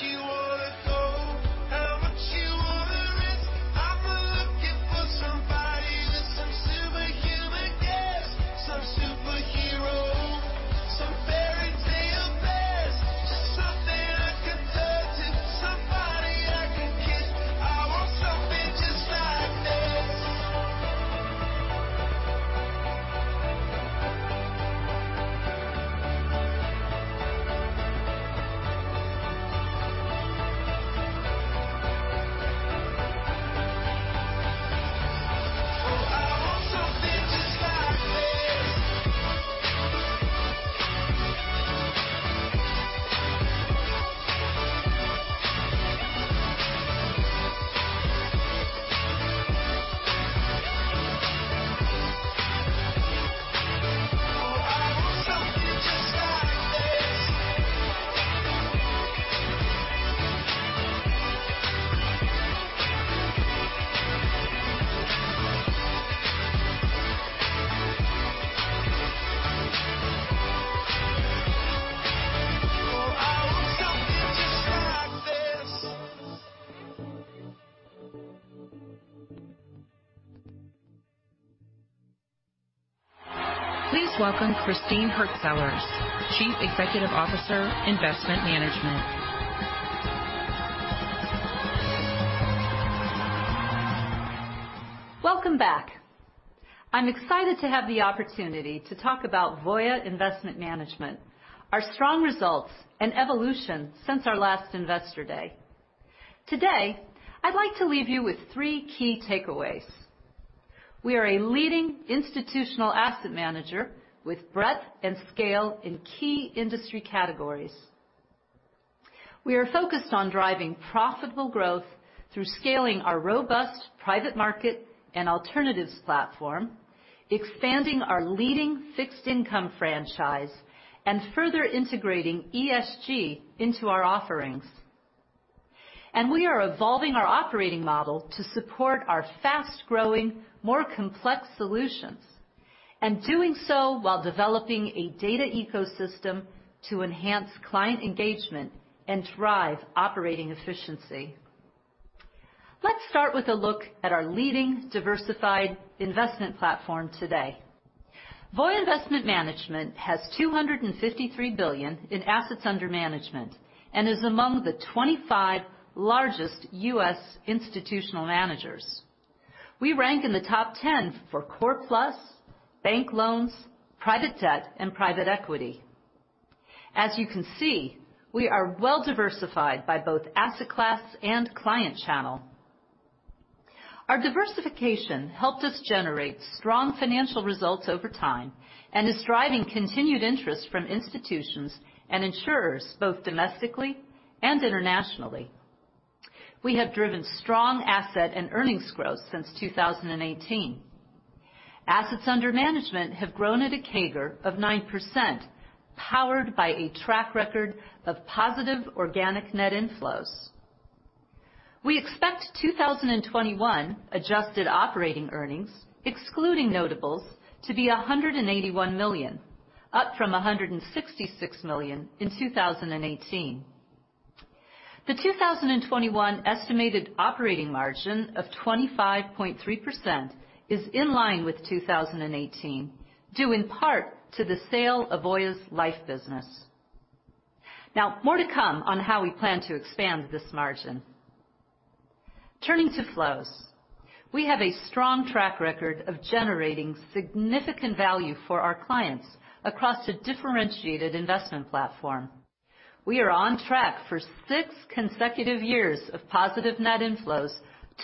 Please welcome Christine Hurtsellers, Chief Executive Officer, Investment Management.
Welcome back. I'm excited to have the opportunity to talk about Voya Investment Management, our strong results, and evolution since our last Investor Day. Today, I'd like to leave you with three key takeaways. We are a leading institutional asset manager with breadth and scale in key industry categories. We are focused on driving profitable growth through scaling our robust private market and alternatives platform, expanding our leading fixed income franchise, and further integrating ESG into our offerings. We are evolving our operating model to support our fast-growing, more complex solutions, and doing so while developing a data ecosystem to enhance client engagement and drive operating efficiency. Let's start with a look at our leading diversified investment platform today. Voya Investment Management has $253 billion in assets under management and is among the 25 largest U.S. institutional managers. We rank in the top 10 for core plus, bank loans, private debt, and private equity. As you can see, we are well-diversified by both asset class and client channel. Our diversification helped us generate strong financial results over time and is driving continued interest from institutions and insurers, both domestically and internationally. We have driven strong asset and earnings growth since 2018. Assets under management have grown at a CAGR of 9%, powered by a track record of positive organic net inflows. We expect 2021 adjusted operating earnings, excluding notables, to be $181 million, up from $166 million in 2018. The 2021 estimated operating margin of 25.3% is in line with 2018, due in part to the sale of Voya's life business. More to come on how we plan to expand this margin. Turning to flows. We have a strong track record of generating significant value for our clients across a differentiated investment platform. We are on track for six consecutive years of positive net inflows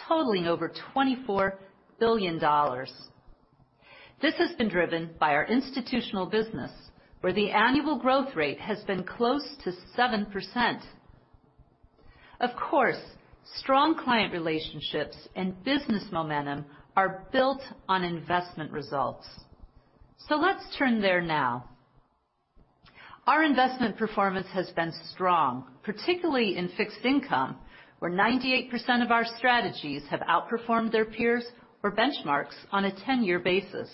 totaling over $24 billion. This has been driven by our institutional business, where the annual growth rate has been close to 7%. Strong client relationships and business momentum are built on investment results. Let's turn there now. Our investment performance has been strong, particularly in fixed income, where 98% of our strategies have outperformed their peers or benchmarks on a 10-year basis.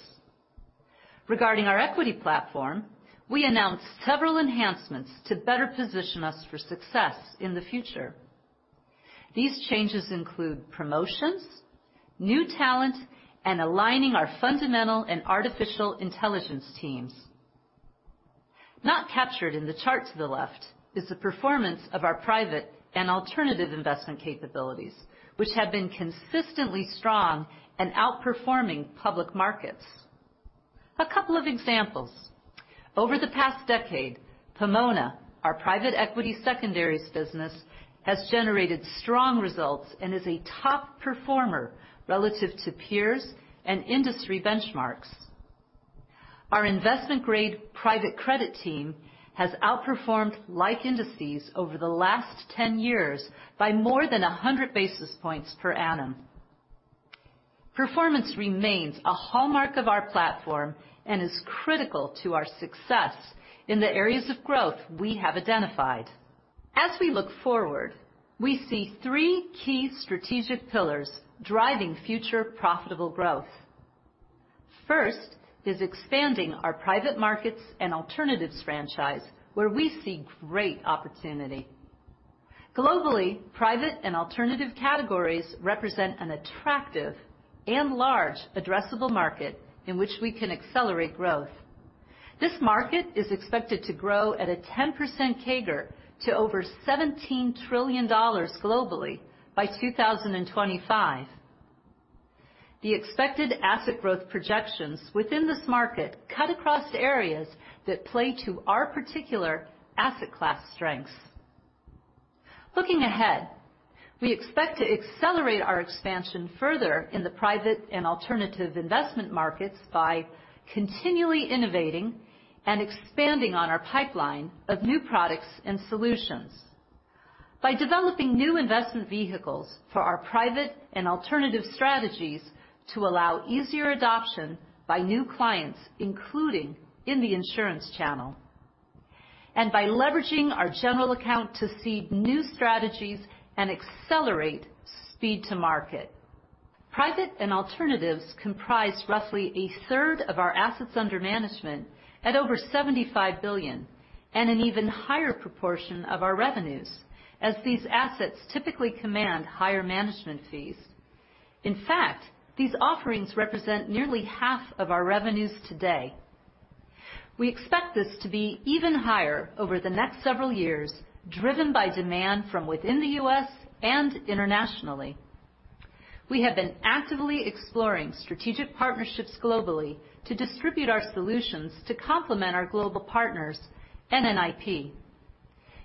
Regarding our equity platform, we announced several enhancements to better position us for success in the future. These changes include promotions, new talent, and aligning our fundamental and artificial intelligence teams. Not captured in the chart to the left is the performance of our private and alternative investment capabilities, which have been consistently strong and outperforming public markets. A couple of examples. Over the past decade, Pomona, our private equity secondaries business, has generated strong results and is a top performer relative to peers and industry benchmarks. Our investment-grade private credit team has outperformed like indices over the last 10 years by more than 100 basis points per annum. Performance remains a hallmark of our platform and is critical to our success in the areas of growth we have identified. As we look forward, we see three key strategic pillars driving future profitable growth. First is expanding our private markets and alternatives franchise where we see great opportunity. Globally, private and alternative categories represent an attractive and large addressable market in which we can accelerate growth. This market is expected to grow at a 10% CAGR to over $17 trillion globally by 2025. The expected asset growth projections within this market cut across areas that play to our particular asset class strengths. Looking ahead, we expect to accelerate our expansion further in the private and alternative investment markets by continually innovating and expanding on our pipeline of new products and solutions, by developing new investment vehicles for our private and alternative strategies to allow easier adoption by new clients, including in the insurance channel, and by leveraging our general account to seed new strategies and accelerate speed to market. Private and alternatives comprise roughly a third of our assets under management at over $75 billion, and an even higher proportion of our revenues, as these assets typically command higher management fees. These offerings represent nearly half of our revenues today. We expect this to be even higher over the next several years, driven by demand from within the U.S. and internationally. We have been actively exploring strategic partnerships globally to distribute our solutions to complement our global partners NNIP.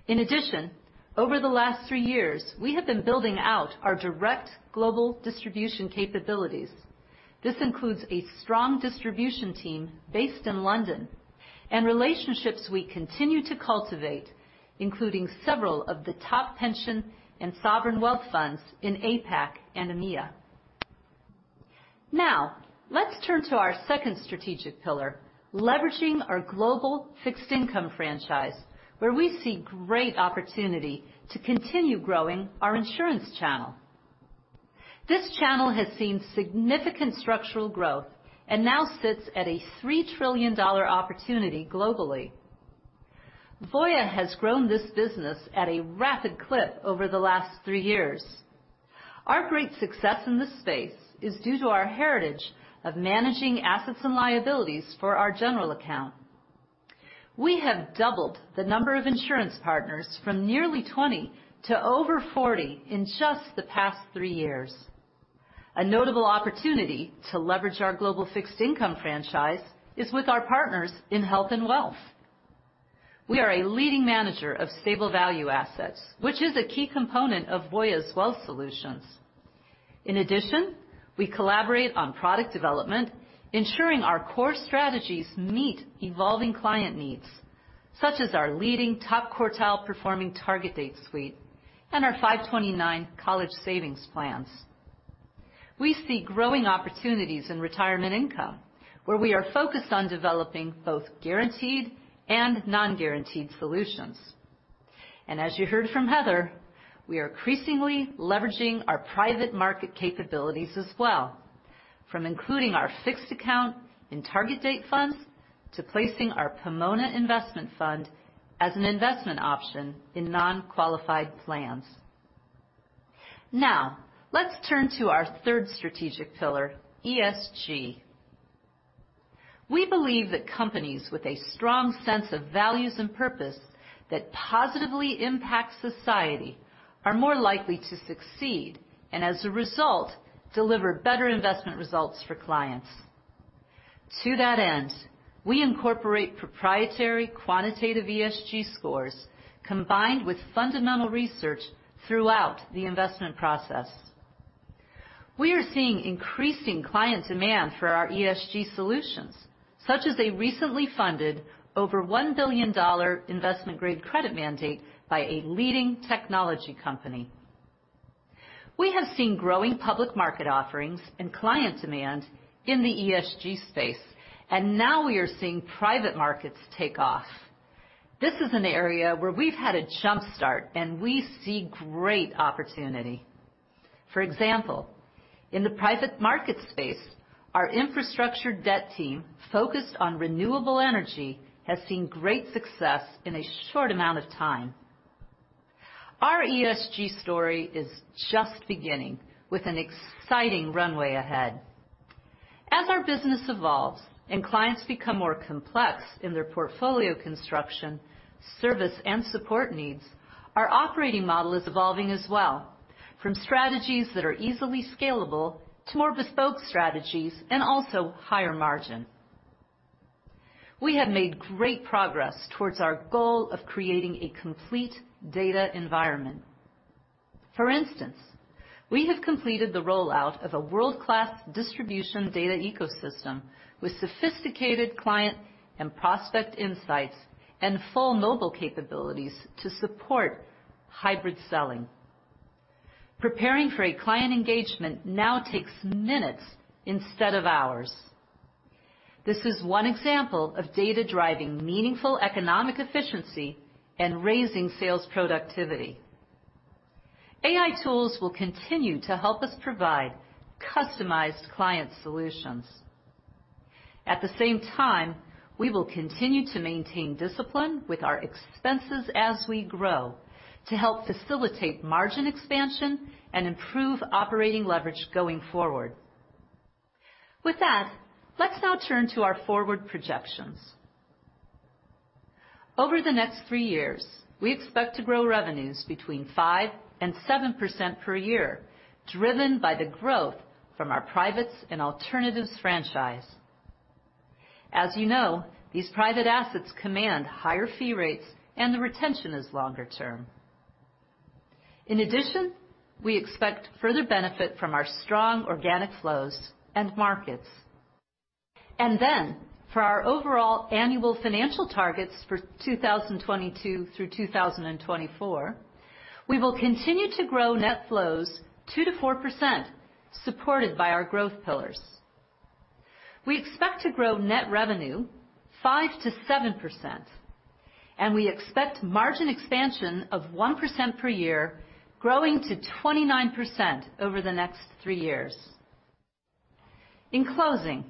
In addition, over the last three years, we have been building out our direct global distribution capabilities. This includes a strong distribution team based in London and relationships we continue to cultivate, including several of the top pension and sovereign wealth funds in APAC and EMEA. Let's turn to our second strategic pillar, leveraging our global fixed income franchise, where we see great opportunity to continue growing our insurance channel. This channel has seen significant structural growth and now sits at a $3 trillion opportunity globally. Voya has grown this business at a rapid clip over the last three years. Our great success in this space is due to our heritage of managing assets and liabilities for our general account. We have doubled the number of insurance partners from nearly 20 to over 40 in just the past three years. A notable opportunity to leverage our global fixed income franchise is with our partners in Health and Wealth. We are a leading manager of stable value assets, which is a key component of Voya's Wealth Solutions. In addition, we collaborate on product development, ensuring our core strategies meet evolving client needs, such as our leading top-quartile performing target date suite and our 529 college savings plans. We see growing opportunities in retirement income, where we are focused on developing both guaranteed and non-guaranteed solutions. As you heard from Heather, we are increasingly leveraging our private market capabilities as well, from including our fixed account in target date funds to placing our Pomona investment fund as an investment option in non-qualified plans. Let's turn to our third strategic pillar, ESG. We believe that companies with a strong sense of values and purpose that positively impact society are more likely to succeed, and as a result, deliver better investment results for clients. To that end, we incorporate proprietary quantitative ESG scores combined with fundamental research throughout the investment process. We are seeing increasing client demand for our ESG solutions, such as a recently funded over $1 billion investment-grade credit mandate by a leading technology company. We have seen growing public market offerings and client demand in the ESG space. Now we are seeing private markets take off. This is an area where we've had a jump start. We see great opportunity. For example, in the private market space, our infrastructure debt team focused on renewable energy has seen great success in a short amount of time. Our ESG story is just beginning with an exciting runway ahead. As our business evolves and clients become more complex in their portfolio construction, service, and support needs, our operating model is evolving as well, from strategies that are easily scalable to more bespoke strategies and also higher margin. We have made great progress towards our goal of creating a complete data environment. For instance, we have completed the rollout of a world-class distribution data ecosystem with sophisticated client and prospect insights and full mobile capabilities to support hybrid selling. Preparing for a client engagement now takes minutes instead of hours. This is one example of data driving meaningful economic efficiency and raising sales productivity. AI tools will continue to help us provide customized client solutions. At the same time, we will continue to maintain discipline with our expenses as we grow to help facilitate margin expansion and improve operating leverage going forward. With that, let's now turn to our forward projections. Over the next three years, we expect to grow revenues between 5% and 7% per year, driven by the growth from our privates and alternatives franchise. As you know, these private assets command higher fee rates, and the retention is longer term. In addition, we expect further benefit from our strong organic flows and markets. For our overall annual financial targets for 2022 through 2024, we will continue to grow net flows 2% to 4%, supported by our growth pillars. We expect to grow net revenue 5% to 7%, and we expect margin expansion of 1% per year, growing to 29% over the next three years. In closing,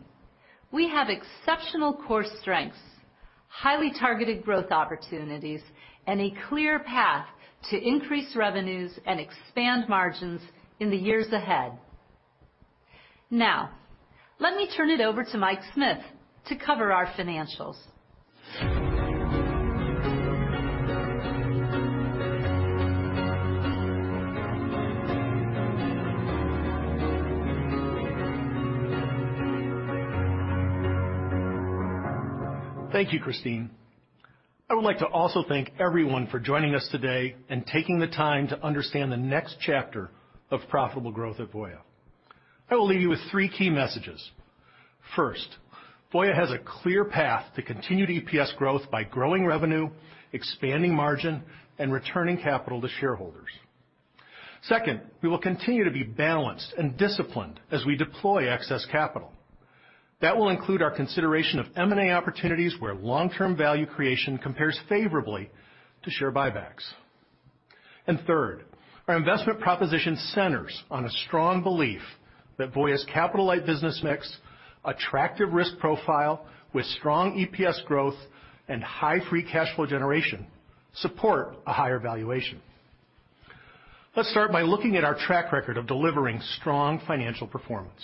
we have exceptional core strengths, highly targeted growth opportunities, and a clear path to increase revenues and expand margins in the years ahead. Let me turn it over to Mike Smith to cover our financials.
Thank you, Christine. I would like to also thank everyone for joining us today and taking the time to understand the next chapter of profitable growth at Voya. I will leave you with three key messages. First, Voya has a clear path to continued EPS growth by growing revenue, expanding margin, and returning capital to shareholders. Second, we will continue to be balanced and disciplined as we deploy excess capital. That will include our consideration of M&A opportunities where long-term value creation compares favorably to share buybacks. Third, our investment proposition centers on a strong belief that Voya's capital-light business mix, attractive risk profile with strong EPS growth and high free cash flow generation support a higher valuation. Let's start by looking at our track record of delivering strong financial performance.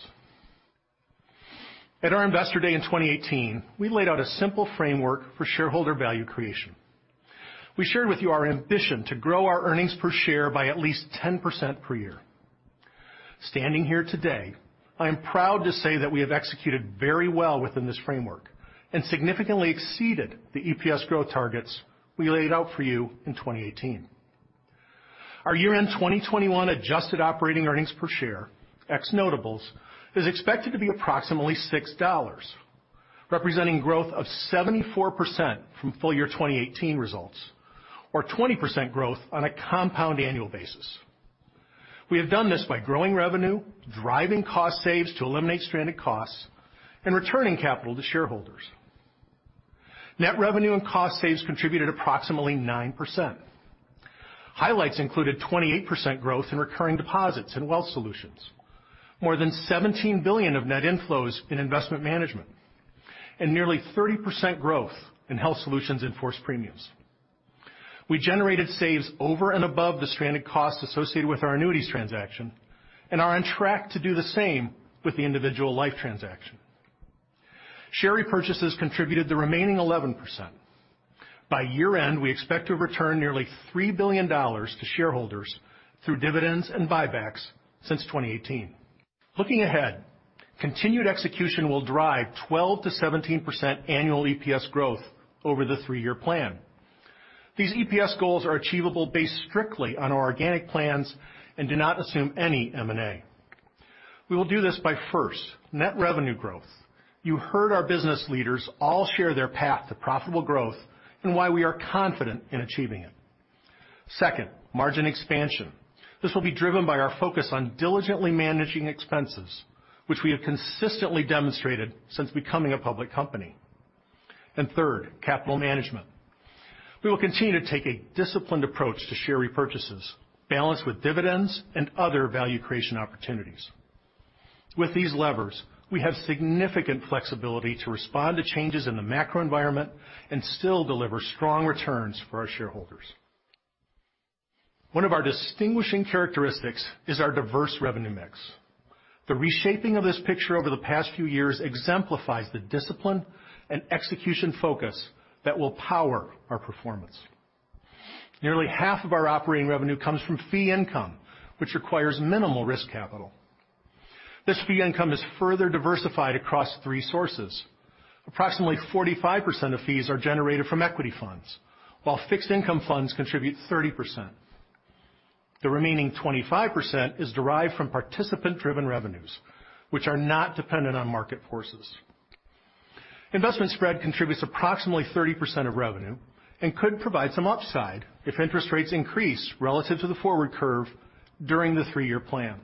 At our Investor Day in 2018, we laid out a simple framework for shareholder value creation. We shared with you our ambition to grow our earnings per share by at least 10% per year. Standing here today, I am proud to say that we have executed very well within this framework and significantly exceeded the EPS growth targets we laid out for you in 2018. Our year-end 2021 adjusted operating earnings per share, ex-notables, is expected to be approximately $6, representing growth of 74% from full year 2018 results, or 20% growth on a compound annual basis. We have done this by growing revenue, driving cost saves to eliminate stranded costs, and returning capital to shareholders. Net revenue and cost saves contributed approximately 9%. Highlights included 28% growth in recurring deposits and Wealth Solutions, more than $17 billion of net inflows in Investment Management, and nearly 30% growth in Health Solutions in force premiums. We generated saves over and above the stranded costs associated with our annuities transaction and are on track to do the same with the individual life transaction. Share repurchases contributed the remaining 11%. By year-end, we expect to have returned nearly $3 billion to shareholders through dividends and buybacks since 2018. Looking ahead, continued execution will drive 12%-17% annual EPS growth over the three-year plan. These EPS goals are achievable based strictly on our organic plans and do not assume any M&A. We will do this by, first, net revenue growth. You heard our business leaders all share their path to profitable growth and why we are confident in achieving it. Second, margin expansion. This will be driven by our focus on diligently managing expenses, which we have consistently demonstrated since becoming a public company. Third, capital management. We will continue to take a disciplined approach to share repurchases, balanced with dividends and other value creation opportunities. With these levers, we have significant flexibility to respond to changes in the macro environment and still deliver strong returns for our shareholders. One of our distinguishing characteristics is our diverse revenue mix. The reshaping of this picture over the past few years exemplifies the discipline and execution focus that will power our performance. Nearly half of our operating revenue comes from fee income, which requires minimal risk capital. This fee income is further diversified across three sources. Approximately 45% of fees are generated from equity funds, while fixed income funds contribute 30%. The remaining 25% is derived from participant-driven revenues, which are not dependent on market forces. Investment spread contributes approximately 30% of revenue and could provide some upside if interest rates increase relative to the forward curve during the three-year plan.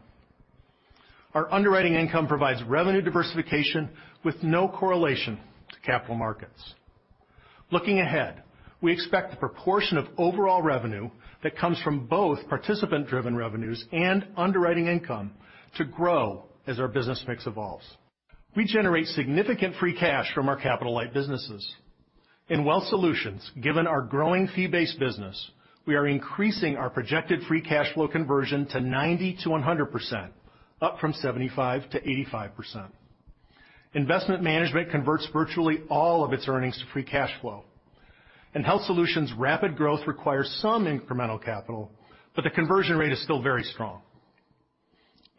Our underwriting income provides revenue diversification with no correlation to capital markets. Looking ahead, we expect the proportion of overall revenue that comes from both participant-driven revenues and underwriting income to grow as our business mix evolves. We generate significant free cash from our capital-light businesses. In Wealth Solutions, given our growing fee-based business, we are increasing our projected free cash flow conversion to 90%-100%, up from 75%-85%. Investment Management converts virtually all of its earnings to free cash flow. Health Solutions rapid growth requires some incremental capital, but the conversion rate is still very strong.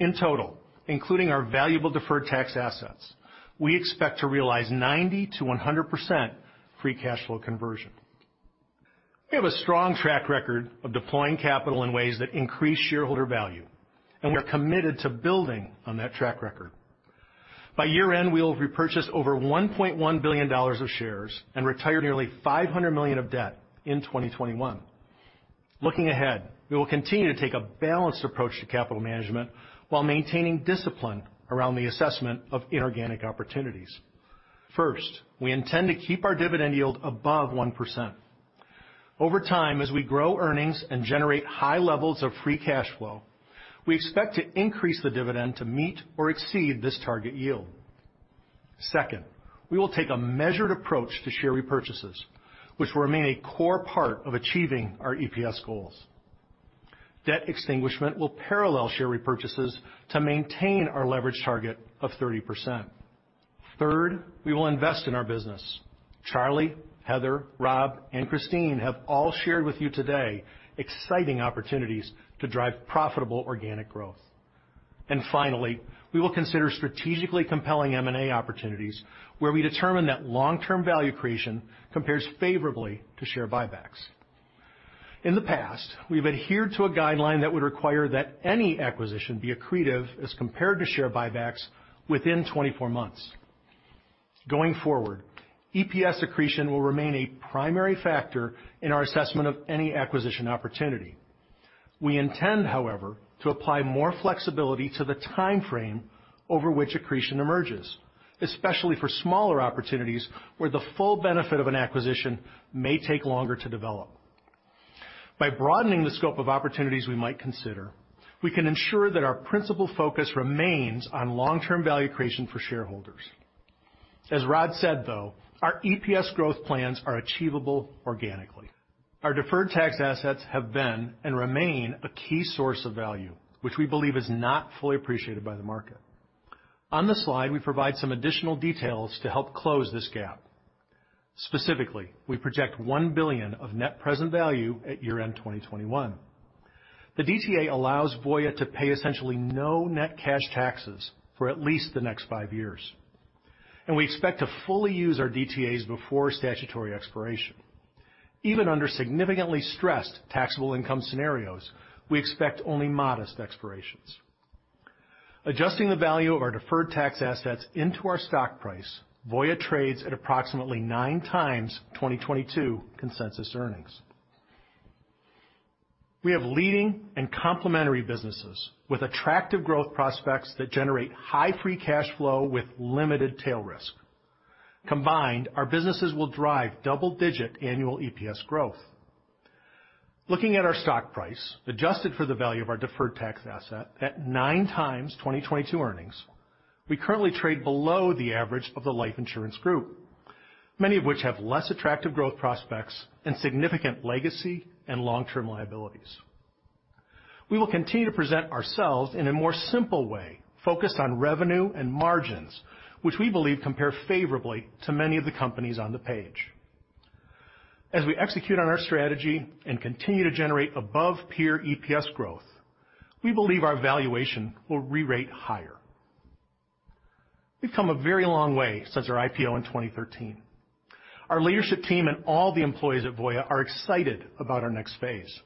In total, including our valuable deferred tax assets, we expect to realize 90%-100% free cash flow conversion. We have a strong track record of deploying capital in ways that increase shareholder value, and we are committed to building on that track record. By year-end, we will have repurchased over $1.1 billion of shares and retired nearly $500 million of debt in 2021. Looking ahead, we will continue to take a balanced approach to capital management while maintaining discipline around the assessment of inorganic opportunities. First, we intend to keep our dividend yield above 1%. Over time, as we grow earnings and generate high levels of free cash flow, we expect to increase the dividend to meet or exceed this target yield. Second, we will take a measured approach to share repurchases, which will remain a core part of achieving our EPS goals. Debt extinguishment will parallel share repurchases to maintain our leverage target of 30%. Third, we will invest in our business. Charlie, Heather, Rob, and Christine have all shared with you today exciting opportunities to drive profitable organic growth. Finally, we will consider strategically compelling M&A opportunities where we determine that long-term value creation compares favorably to share buybacks. In the past, we've adhered to a guideline that would require that any acquisition be accretive as compared to share buybacks within 24 months. Going forward, EPS accretion will remain a primary factor in our assessment of any acquisition opportunity. We intend, however, to apply more flexibility to the timeframe over which accretion emerges, especially for smaller opportunities where the full benefit of an acquisition may take longer to develop. By broadening the scope of opportunities we might consider, we can ensure that our principal focus remains on long-term value creation for shareholders. As Rod said, though, our EPS growth plans are achievable organically. Our deferred tax assets have been and remain a key source of value, which we believe is not fully appreciated by the market. On the slide, we provide some additional details to help close this gap. Specifically, we project $1 billion of net present value at year-end 2021. The DTA allows Voya to pay essentially no net cash taxes for at least the next five years, and we expect to fully use our DTAs before statutory expiration. Even under significantly stressed taxable income scenarios, we expect only modest expirations. Adjusting the value of our deferred tax assets into our stock price, Voya trades at approximately nine times 2022 consensus earnings. We have leading and complementary businesses with attractive growth prospects that generate high free cash flow with limited tail risk. Combined, our businesses will drive double-digit annual EPS growth. Looking at our stock price, adjusted for the value of our deferred tax asset at nine times 2022 earnings, we currently trade below the average of the life insurance group, many of which have less attractive growth prospects and significant legacy and long-term liabilities. We will continue to present ourselves in a more simple way, focused on revenue and margins, which we believe compare favorably to many of the companies on the page. As we execute on our strategy and continue to generate above-peer EPS growth, we believe our valuation will re-rate higher. We've come a very long way since our IPO in 2013. Our leadership team and all the employees at Voya are excited about our next phase.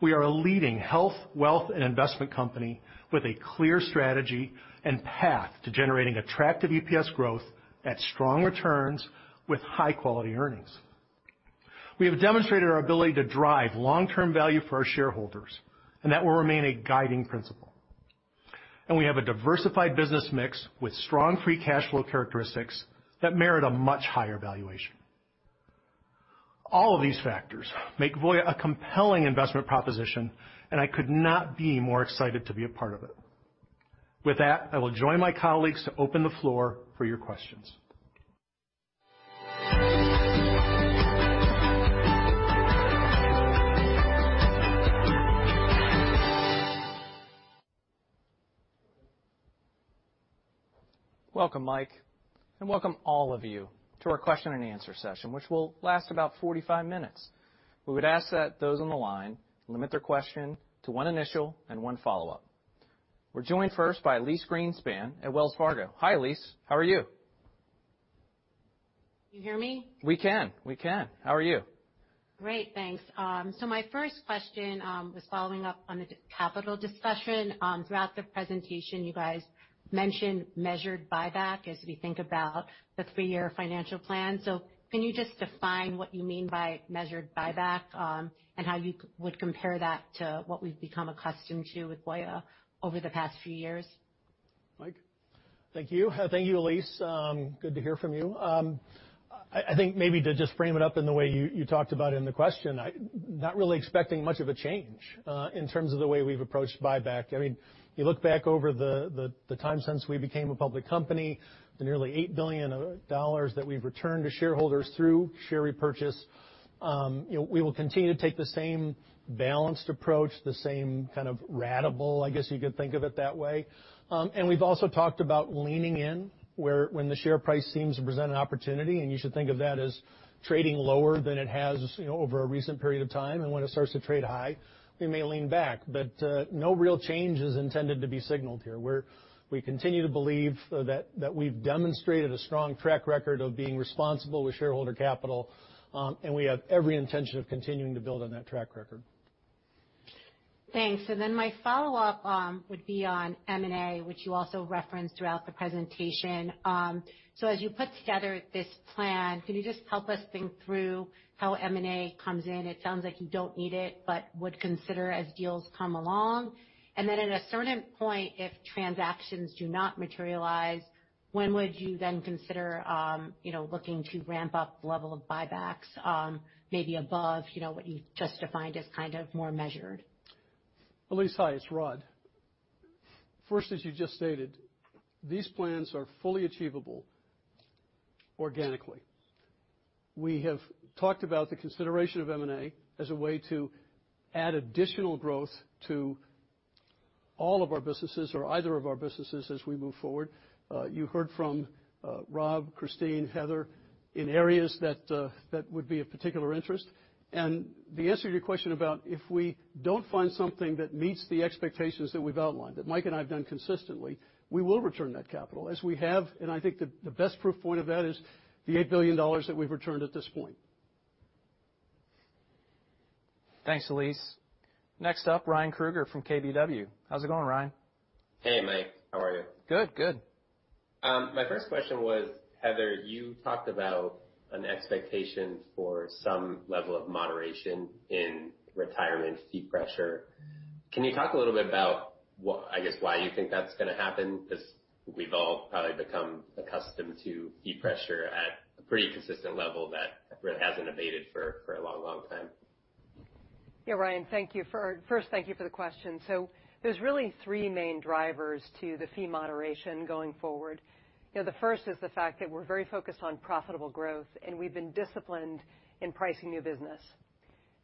We are a leading health, wealth, and investment company with a clear strategy and path to generating attractive EPS growth at strong returns with high-quality earnings. We have demonstrated our ability to drive long-term value for our shareholders, and that will remain a guiding principle. We have a diversified business mix with strong free cash flow characteristics that merit a much higher valuation. All of these factors make Voya a compelling investment proposition, and I could not be more excited to be a part of it. With that, I will join my colleagues to open the floor for your questions.
Welcome, Mike, and welcome all of you to our question and answer session, which will last about 45 minutes. We would ask that those on the line limit their question to one initial and one follow-up. We are joined first by Elyse Greenspan at Wells Fargo. Hi, Elyse. How are you?
You hear me?
We can. How are you?
Great. Thanks. My first question was following up on the capital discussion. Throughout the presentation, you guys mentioned measured buyback as we think about the three-year financial plan. Can you just define what you mean by measured buyback and how you would compare that to what we have become accustomed to with Voya over the past few years?
Mike?
Thank you, Elyse. Good to hear from you. I think maybe to just frame it up in the way you talked about in the question, I'm not really expecting much of a change in terms of the way we've approached buyback. You look back over the time since we became a public company, the nearly $8 billion that we've returned to shareholders through share repurchase. We will continue to take the same balanced approach, the same kind of ratable, I guess you could think of it that way. We've also talked about leaning in when the share price seems to present an opportunity, and you should think of that as trading lower than it has over a recent period of time. When it starts to trade high, we may lean back. No real change is intended to be signaled here, where we continue to believe that we've demonstrated a strong track record of being responsible with shareholder capital, we have every intention of continuing to build on that track record.
Thanks. My follow-up would be on M&A, which you also referenced throughout the presentation. As you put together this plan, can you just help us think through how M&A comes in? It sounds like you don't need it, but would consider as deals come along. At a certain point, if transactions do not materialize, when would you then consider looking to ramp up the level of buybacks, maybe above what you've just defined as kind of more measured?
Elyse, hi. It's Rod. First, as you just stated, these plans are fully achievable organically We have talked about the consideration of M&A as a way to add additional growth to all of our businesses or either of our businesses as we move forward. You heard from Rob, Christine, Heather, in areas that would be of particular interest. The answer to your question about if we don't find something that meets the expectations that we've outlined, that Mike and I have done consistently, we will return that capital as we have. I think the best proof point of that is the $8 billion that we've returned at this point.
Thanks, Elyse. Next up, Ryan Krueger from KBW. How's it going, Ryan?
Hey, Mike. How are you?
Good.
My first question was, Heather, you talked about an expectation for some level of moderation in retirement fee pressure. Can you talk a little bit about, I guess, why you think that's going to happen? Because we've all probably become accustomed to fee pressure at a pretty consistent level that really hasn't abated for a long time.
Yeah, Ryan. First, thank you for the question. There's really three main drivers to the fee moderation going forward. The first is the fact that we're very focused on profitable growth, and we've been disciplined in pricing new business.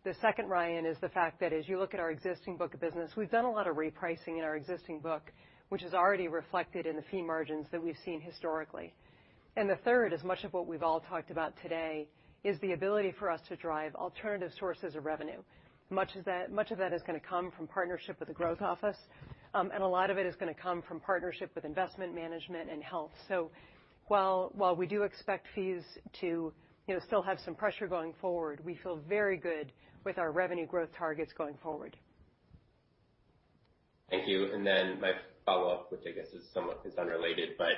The second, Ryan, is the fact that as you look at our existing book of business, we've done a lot of repricing in our existing book, which is already reflected in the fee margins that we've seen historically. The third is much of what we've all talked about today, is the ability for us to drive alternative sources of revenue. Much of that is going to come from partnership with the growth office, and a lot of it is going to come from partnership with Investment Management and Health. While we do expect fees to still have some pressure going forward, we feel very good with our revenue growth targets going forward.
Thank you. My follow-up, which I guess is somewhat is unrelated, but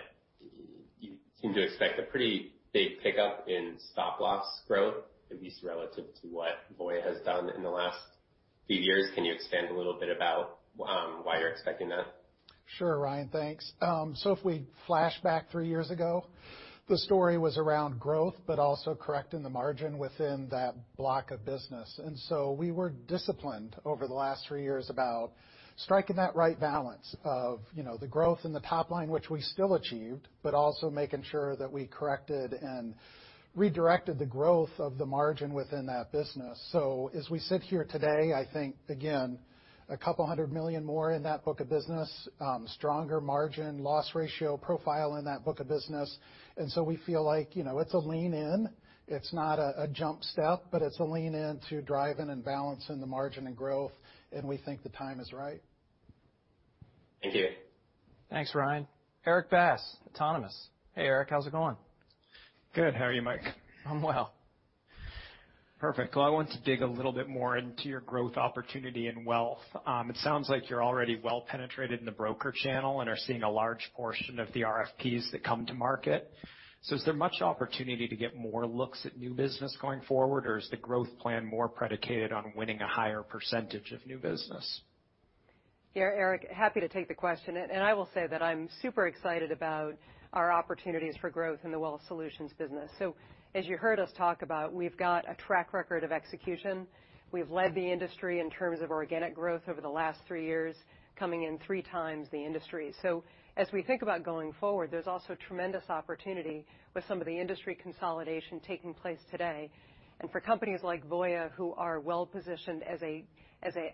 you seem to expect a pretty big pickup in stop-loss growth, at least relative to what Voya has done in the last few years. Can you expand a little bit about why you're expecting that?
Sure, Ryan. Thanks. If we flash back three years ago, the story was around growth, but also correcting the margin within that block of business. We were disciplined over the last three years about striking that right balance of the growth in the top line, which we still achieved, but also making sure that we corrected and redirected the growth of the margin within that business. As we sit here today, I think, again, a couple hundred million more in that book of business, stronger margin loss ratio profile in that book of business. We feel like it's a lean in. It's not a jump step, but it's a lean in to driving and balancing the margin and growth, and we think the time is right.
Thank you.
Thanks, Ryan. Erik Bass, Autonomous. Hey, Erik, how's it going?
Good. How are you, Mike?
I'm well.
Perfect. I want to dig a little bit more into your growth opportunity in Wealth Solutions. It sounds like you're already well-penetrated in the broker channel and are seeing a large portion of the RFPs that come to market. Is there much opportunity to get more looks at new business going forward, or is the growth plan more predicated on winning a higher percentage of new business?
Yeah, Erik, happy to take the question. I will say that I'm super excited about our opportunities for growth in the Wealth Solutions business. As you heard us talk about, we've got a track record of execution. We've led the industry in terms of organic growth over the last 3 years, coming in 3 times the industry. As we think about going forward, there's also tremendous opportunity with some of the industry consolidation taking place today. For companies like Voya, who are well-positioned as an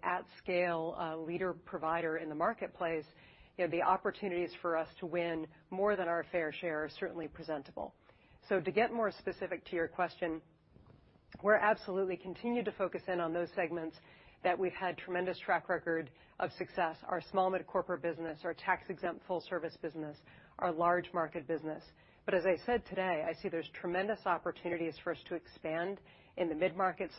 at-scale leader provider in the marketplace, the opportunities for us to win more than our fair share are certainly presentable. To get more specific to your question, we're absolutely continue to focus in on those segments that we've had tremendous track record of success, our small mid-corporate business, our tax-exempt full service business, our large market business. As I said today, I see there's tremendous opportunities for us to expand in the mid-market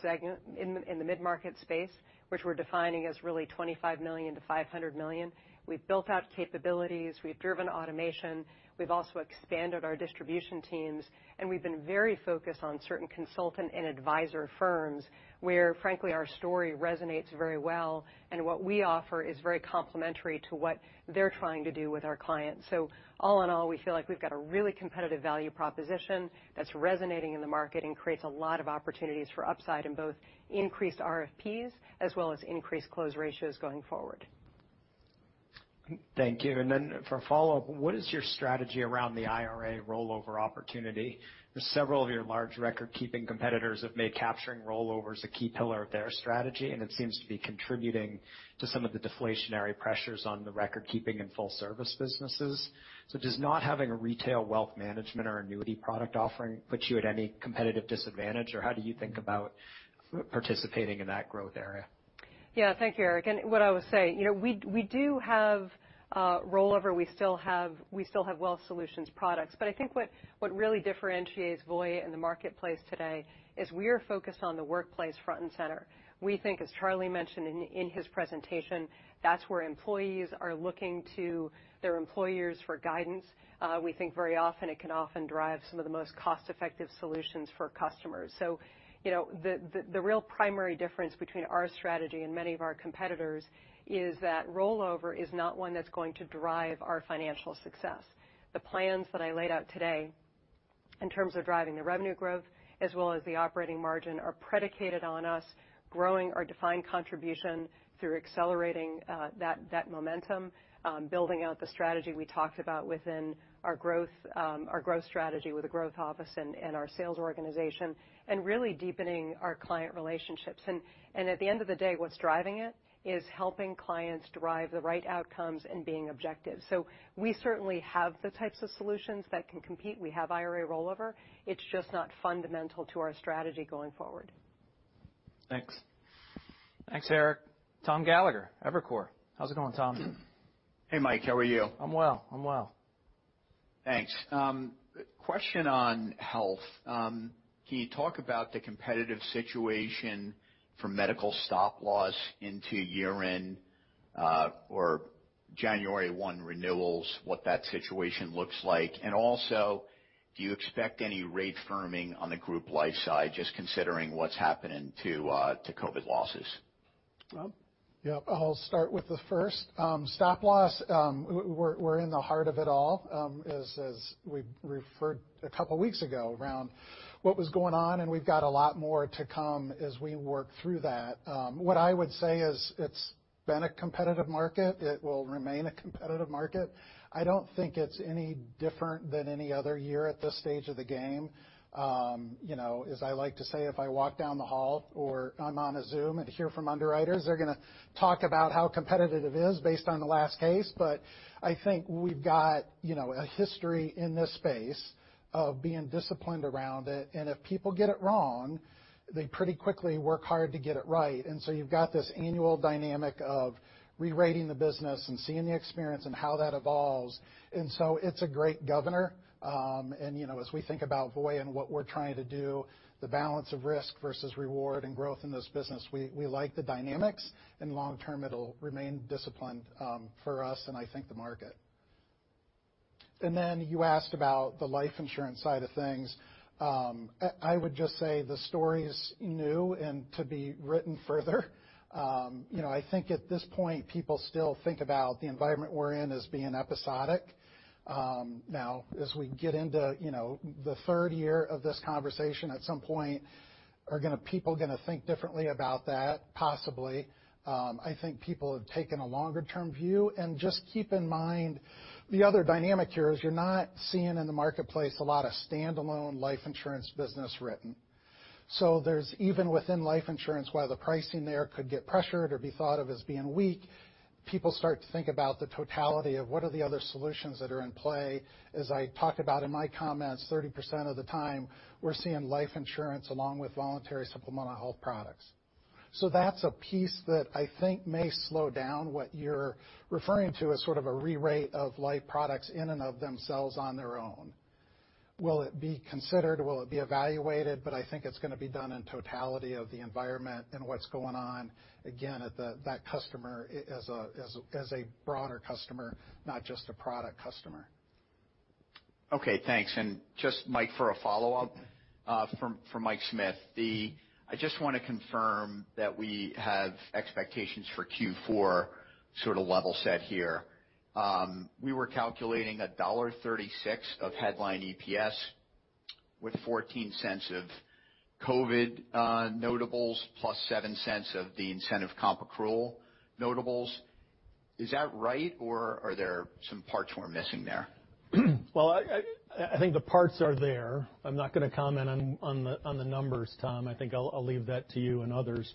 space, which we're defining as really $25 million-$500 million. We've built out capabilities, we've driven automation, we've also expanded our distribution teams. We've been very focused on certain consultant and advisor firms, where, frankly, our story resonates very well. What we offer is very complementary to what they're trying to do with our clients. All in all, we feel like we've got a really competitive value proposition that's resonating in the market and creates a lot of opportunities for upside in both increased RFPs as well as increased close ratios going forward.
Thank you. For follow-up, what is your strategy around the IRA rollover opportunity? Several of your large record-keeping competitors have made capturing rollovers a key pillar of their strategy. It seems to be contributing to some of the deflationary pressures on the record keeping in full service businesses. Does not having a retail wealth management or annuity product offering put you at any competitive disadvantage, or how do you think about participating in that growth area?
Yeah. Thank you, Erik. What I would say, we do have rollover. We still have Wealth Solutions products. I think what really differentiates Voya in the marketplace today is we are focused on the workplace front and center. We think, as Charlie mentioned in his presentation, that's where employees are looking to their employers for guidance. We think very often it can often drive some of the most cost-effective solutions for customers. The real primary difference between our strategy and many of our competitors is that rollover is not one that's going to drive our financial success. The plans that I laid out today In terms of driving the revenue growth as well as the operating margin are predicated on us growing our defined contribution through accelerating that momentum, building out the strategy we talked about within our growth strategy with the growth office and our sales organization, and really deepening our client relationships. At the end of the day, what's driving it is helping clients derive the right outcomes and being objective. We certainly have the types of solutions that can compete. We have IRA rollover. It's just not fundamental to our strategy going forward.
Thanks.
Thanks, Erik. Thomas Gallagher, Evercore. How's it going, Tom?
Hey, Mike. How are you?
I'm well.
Thanks. Question on health. Can you talk about the competitive situation for medical stop-loss into year-end or January 1 renewals, what that situation looks like? Do you expect any rate firming on the group life side, just considering what's happening to COVID losses?
Rob?
Yeah. I'll start with the first. Stop-loss, we're in the heart of it all, as we referred a couple weeks ago, around what was going on, and we've got a lot more to come as we work through that. What I would say is it's been a competitive market. It will remain a competitive market. I don't think it's any different than any other year at this stage of the game. As I like to say, if I walk down the hall or I'm on a Zoom and hear from underwriters, they're going to talk about how competitive it is based on the last case. I think we've got a history in this space of being disciplined around it, and if people get it wrong, they pretty quickly work hard to get it right. You've got this annual dynamic of rerating the business and seeing the experience and how that evolves. It's a great governor. As we think about Voya and what we're trying to do, the balance of risk versus reward and growth in this business, we like the dynamics, and long term, it'll remain disciplined for us and I think the market. You asked about the life insurance side of things. I would just say the story is new and to be written further. I think at this point, people still think about the environment we're in as being episodic. Now, as we get into the third year of this conversation, at some point, are people going to think differently about that? Possibly. I think people have taken a longer-term view. Just keep in mind, the other dynamic here is you're not seeing in the marketplace a lot of standalone life insurance business written. There's even within life insurance, while the pricing there could get pressured or be thought of as being weak, people start to think about the totality of what are the other solutions that are in play. As I talked about in my comments, 30% of the time, we're seeing life insurance along with voluntary supplemental health products. That's a piece that I think may slow down what you're referring to as sort of a rerate of life products in and of themselves on their own. Will it be considered? Will it be evaluated? I think it's going to be done in totality of the environment and what's going on, again, at that customer as a broader customer, not just a product customer.
Okay, thanks. Just, Mike, for a follow-up from Mike Smith. I just want to confirm that we have expectations for Q4 sort of level set here. We were calculating $1.36 of headline EPS with $0.14 of COVID notables plus $0.07 of the incentive comp accrual notables. Is that right, or are there some parts we're missing there?
Well, I think the parts are there. I'm not going to comment on the numbers, Tom. I think I'll leave that to you and others.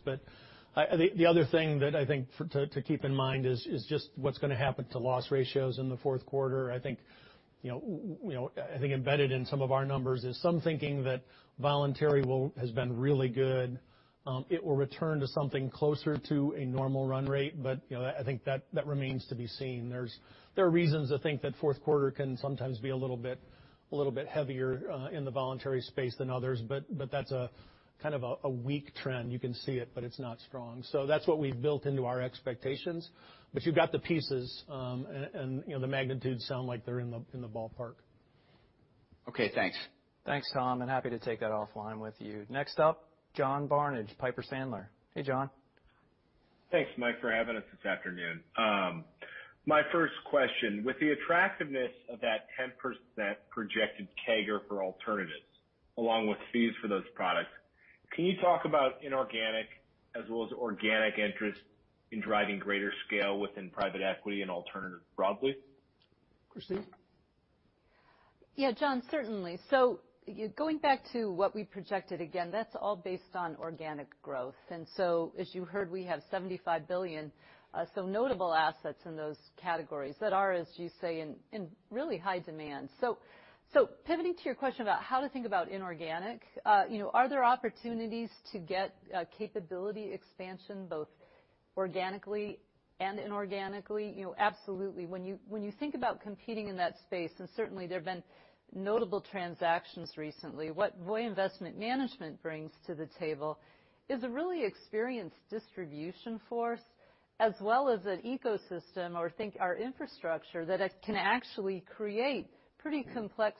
The other thing that I think to keep in mind is just what's going to happen to loss ratios in the fourth quarter. I think embedded in some of our numbers is some thinking that voluntary has been really good. It will return to something closer to a normal run rate, I think that remains to be seen. There are reasons to think that fourth quarter can sometimes be a little bit heavier in the voluntary space than others, that's kind of a weak trend. You can see it's not strong. That's what we've built into our expectations. You've got the pieces, and the magnitudes sound like they're in the ballpark.
Okay, thanks.
Thanks, Tom, happy to take that offline with you. Next up, John Barnidge, Piper Sandler. Hey, John.
Thanks, Mike, for having us this afternoon. My first question, with the attractiveness of that 10% projected CAGR for alternatives along with fees for those products, can you talk about inorganic as well as organic interest in driving greater scale within private equity and alternatives broadly?
Christine?
Yeah, John, certainly. Going back to what we projected, again, that's all based on organic growth. As you heard, we have $75 billion, notable assets in those categories that are, as you say, in really high demand. Pivoting to your question about how to think about inorganic, are there opportunities to get capability expansion both organically and inorganically? Absolutely. When you think about competing in that space, and certainly there have been notable transactions recently, what Voya Investment Management brings to the table is a really experienced distribution force as well as an ecosystem or think our infrastructure that can actually create pretty complex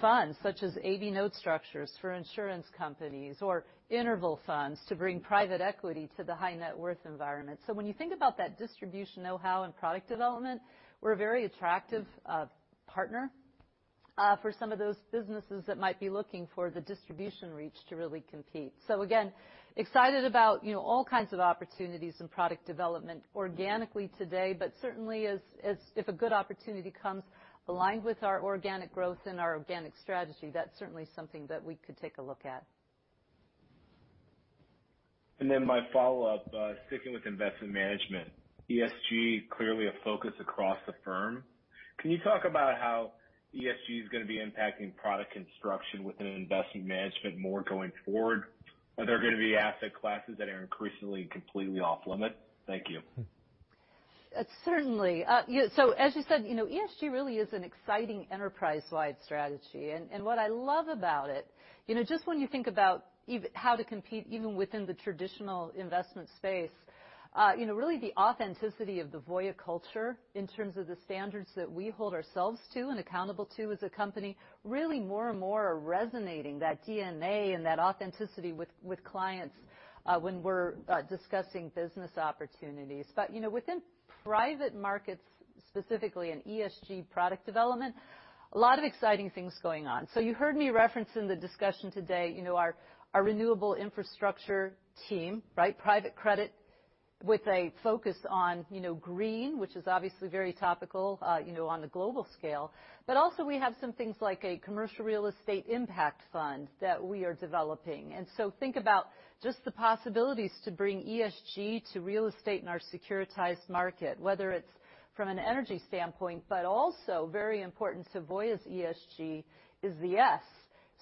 funds, such as A/B note structures for insurance companies or interval funds to bring private equity to the high net worth environment. When you think about that distribution knowhow and product development, we're a very attractive partner. For some of those businesses that might be looking for the distribution reach to really compete. Again, excited about all kinds of opportunities in product development organically today, but certainly if a good opportunity comes aligned with our organic growth and our organic strategy, that's certainly something that we could take a look at.
my follow-up, sticking with Investment Management. ESG, clearly a focus across the firm. Can you talk about how ESG is going to be impacting product construction within Investment Management more going forward? Are there going to be asset classes that are increasingly completely off-limits? Thank you.
Certainly. As you said, ESG really is an exciting enterprise-wide strategy. What I love about it, just when you think about how to compete, even within the traditional investment space. Really the authenticity of the Voya culture in terms of the standards that we hold ourselves to and accountable to as a company, really more and more are resonating, that DNA and that authenticity with clients when we're discussing business opportunities. Within private markets, specifically in ESG product development, a lot of exciting things going on. You heard me reference in the discussion today, our renewable infrastructure team, private credit with a focus on green, which is obviously very topical on a global scale. Also we have some things like a commercial real estate impact fund that we are developing. Think about just the possibilities to bring ESG to real estate in our securitized market, whether it's from an energy standpoint, also very important to Voya's ESG is the S.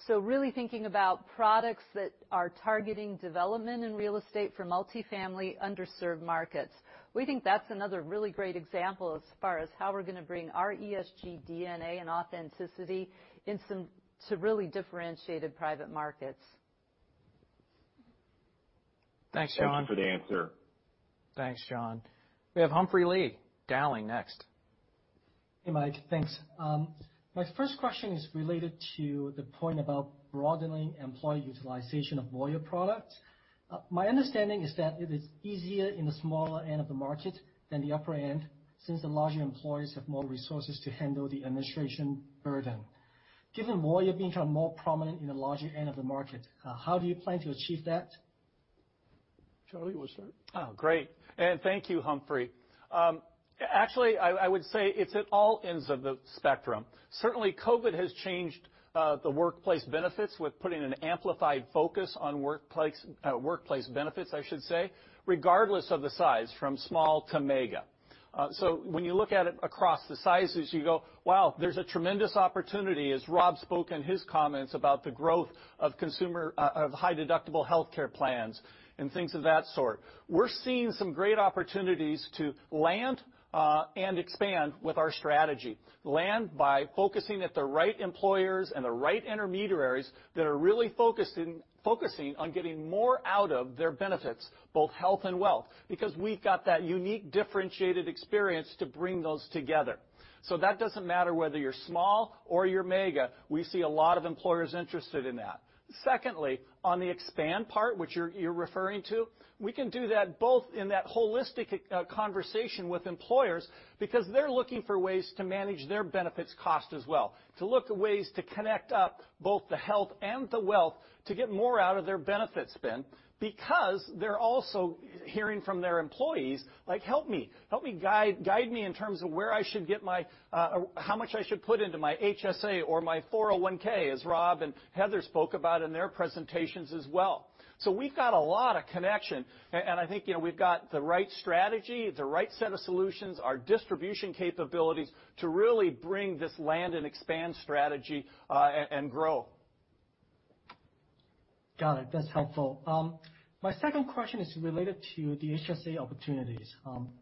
Really thinking about products that are targeting development in real estate for multi-family, underserved markets. We think that's another really great example as far as how we're going to bring our ESG DNA and authenticity to really differentiated private markets.
Thanks, John.
Thank you for the answer.
Thanks, John. We have Humphrey Lee, Dowling, next.
Hey, Mike. Thanks. My first question is related to the point about broadening employee utilization of Voya products. My understanding is that it is easier in the smaller end of the market than the upper end, since the larger employers have more resources to handle the administration burden. Given Voya being more prominent in the larger end of the market, how do you plan to achieve that?
Charlie, want to start?
Oh, great. Thank you, Humphrey. Actually, I would say it's at all ends of the spectrum. Certainly, COVID has changed the workplace benefits with putting an amplified focus on workplace benefits, I should say, regardless of the size, from small to mega. When you look at it across the sizes, you go, "Wow, there's a tremendous opportunity," as Rob spoke in his comments about the growth of high-deductible healthcare plans and things of that sort. We're seeing some great opportunities to land and expand with our strategy. Land by focusing at the right employers and the right intermediaries that are really focusing on getting more out of their benefits, both Health and Wealth, because we've got that unique, differentiated experience to bring those together. That doesn't matter whether you're small or you're mega, we see a lot of employers interested in that. Secondly, on the expand part, which you're referring to, we can do that both in that holistic conversation with employers, because they're looking for ways to manage their benefits cost as well, to look at ways to connect up both the Health and the Wealth to get more out of their benefit spend, because they're also hearing from their employees, like, "Help me. Guide me in terms of how much I should put into my HSA or my 401(k)," as Rob and Heather spoke about in their presentations as well. We've got a lot of connection, and I think we've got the right strategy, the right set of solutions, our distribution capabilities to really bring this land and expand strategy and grow.
Got it. That's helpful. My second question is related to the HSA opportunities.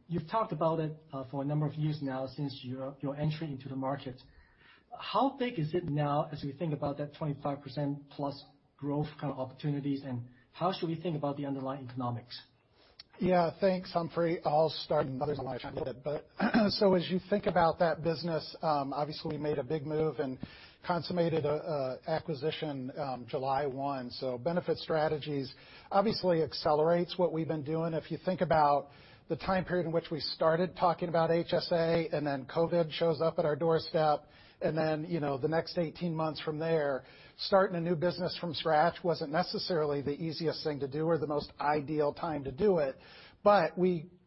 You've talked about it for a number of years now since your entry into the market. How big is it now as we think about that 25%+ growth kind of opportunities, and how should we think about the underlying economics?
Yeah, thanks, Humphrey. I'll start, and others might chime in. As you think about that business, obviously, we made a big move and consummated acquisition July 1. Benefit Strategies obviously accelerates what we've been doing. If you think about the time period in which we started talking about HSA and then COVID shows up at our doorstep, and then the next 18 months from there, starting a new business from scratch wasn't necessarily the easiest thing to do or the most ideal time to do it.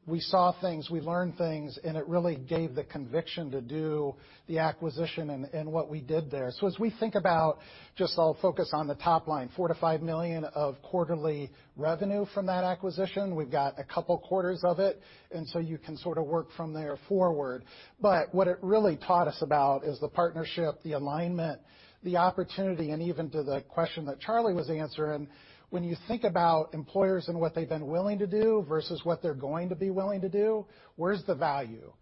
We saw things, we learned things, and it really gave the conviction to do the acquisition and what we did there. As we think about, just I'll focus on the top line, $4 million-$5 million of quarterly revenue from that acquisition. We've got a couple quarters of it, you can sort of work from there forward. What it really taught us about is the partnership, the alignment, the opportunity, and even to the question that Charlie was answering, when you think about employers and what they've been willing to do versus what they're going to be willing to do, where's the value?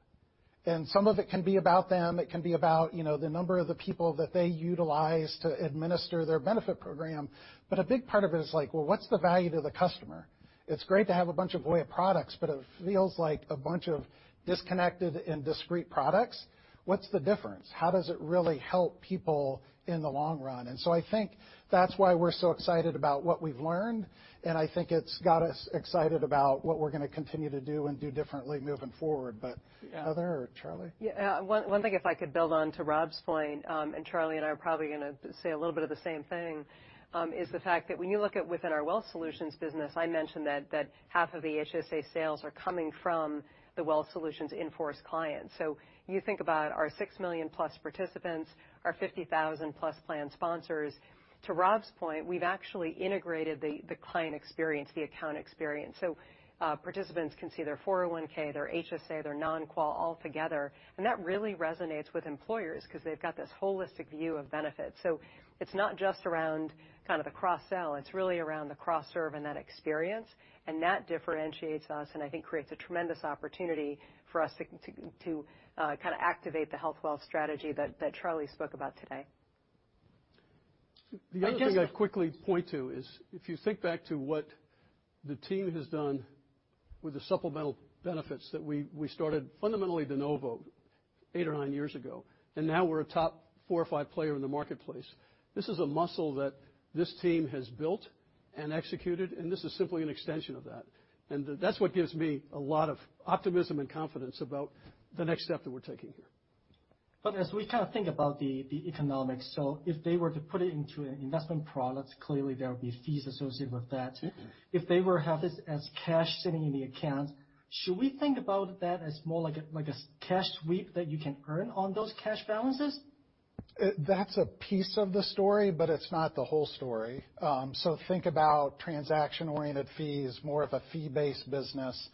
Some of it can be about them, it can be about the number of the people that they utilize to administer their benefit program. A big part of it is like, well, what's the value to the customer? It's great to have a bunch of Voya products, but it feels like a bunch of disconnected and discrete products. What's the difference? How does it really help people in the long run? I think that's why we're so excited about what we've learned, and I think it's got us excited about what we're going to continue to do and do differently moving forward. Heather or Charlie?
Yeah, one thing, if I could build on to Rob's point, Charlie and I are probably going to say a little bit of the same thing, is the fact that when you look at within our Wealth Solutions business, I mentioned that half of the HSA sales are coming from the Wealth Solutions in-force clients. You think about our 6 million plus participants, our 50,000 plus plan sponsors. To Rob's point, we've actually integrated the client experience, the account experience. Participants can see their 401(k), their HSA, their non-qual all together, and that really resonates with employers because they've got this holistic view of benefits. It's not just around the cross-sell, it's really around the cross-serve and that experience, and that differentiates us and I think creates a tremendous opportunity for us to activate the health wealth strategy that Charlie spoke about today.
The other thing-
I just-
I'd quickly point to is, if you think back to what the team has done with the supplemental benefits that we started fundamentally de novo eight or nine years ago, now we're a top four or five player in the marketplace. This is a muscle that this team has built and executed, and this is simply an extension of that. That's what gives me a lot of optimism and confidence about the next step that we're taking here.
As we think about the economics, if they were to put it into an investment product, clearly, there would be fees associated with that.
Yes.
If they were to have this as cash sitting in the account, should we think about that as more like a cash sweep that you can earn on those cash balances?
That's a piece of the story, but it's not the whole story. Think about transaction-oriented fees, more of a fee-based business.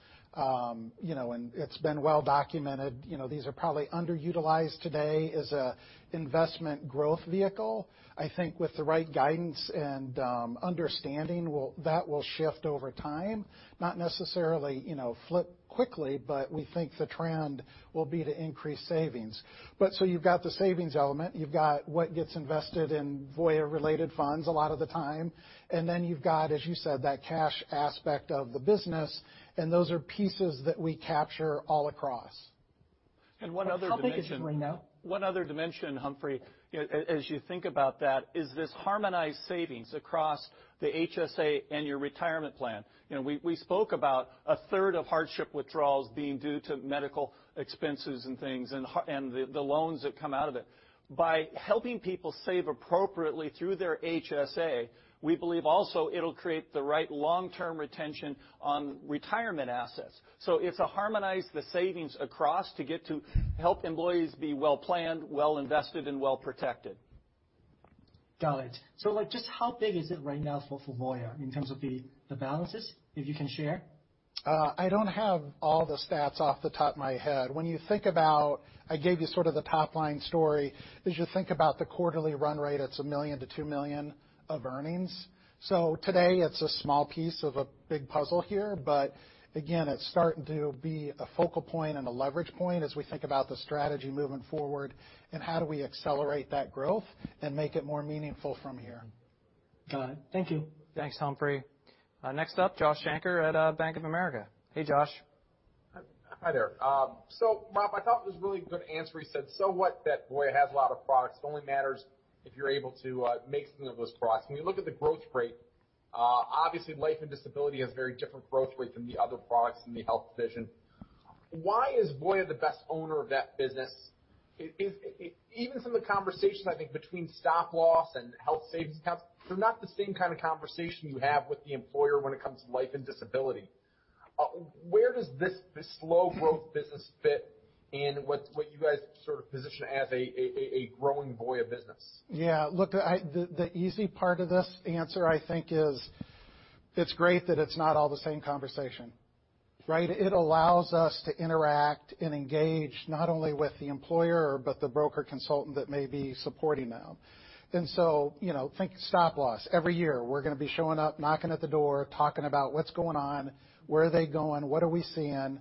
It's been well documented. These are probably underutilized today as a investment growth vehicle. I think with the right guidance and understanding, that will shift over time, not necessarily flip quickly, but we think the trend will be to increase savings. You've got the savings element, you've got what gets invested in Voya-related funds a lot of the time, and then you've got, as you said, that cash aspect of the business, and those are pieces that we capture all across.
One other dimension.
How big is it right now?
One other dimension, Humphrey, as you think about that, is this harmonized savings across the HSA and your retirement plan. We spoke about a third of hardship withdrawals being due to medical expenses and things and the loans that come out of it. By helping people save appropriately through their HSA, we believe also it'll create the right long-term retention on retirement assets. It's a harmonize the savings across to get to help employees be well-planned, well invested, and well protected.
Just how big is it right now for Voya in terms of the balances, if you can share?
I don't have all the stats off the top of my head. When you think about, I gave you sort of the top line story, as you think about the quarterly run rate, it's $1 million to $2 million of earnings. Today, it's a small piece of a big puzzle here, but again, it's starting to be a focal point and a leverage point as we think about the strategy moving forward and how do we accelerate that growth and make it more meaningful from here.
Got it. Thank you.
Thanks, Humphrey. Next up, Joshua Shanker at Bank of America. Hey, Josh.
Hi there. Rob, I thought it was a really good answer. You said, what that Voya has a lot of products. It only matters if you're able to make some of those products. When you look at the growth rate, obviously life and disability has very different growth rate than the other products in the Health Solutions. Why is Voya the best owner of that business? Even from the conversation, I think, between stop-loss and Health Savings Accounts, they're not the same kind of conversation you have with the employer when it comes to life and disability. Where does this slow growth business fit in what you guys position as a growing Voya business?
Yeah. Look, the easy part of this answer, I think is it's great that it's not all the same conversation. Right? It allows us to interact and engage not only with the employer but the broker consultant that may be supporting them. Think stop-loss. Every year, we're going to be showing up, knocking at the door, talking about what's going on, where are they going, what are we seeing, and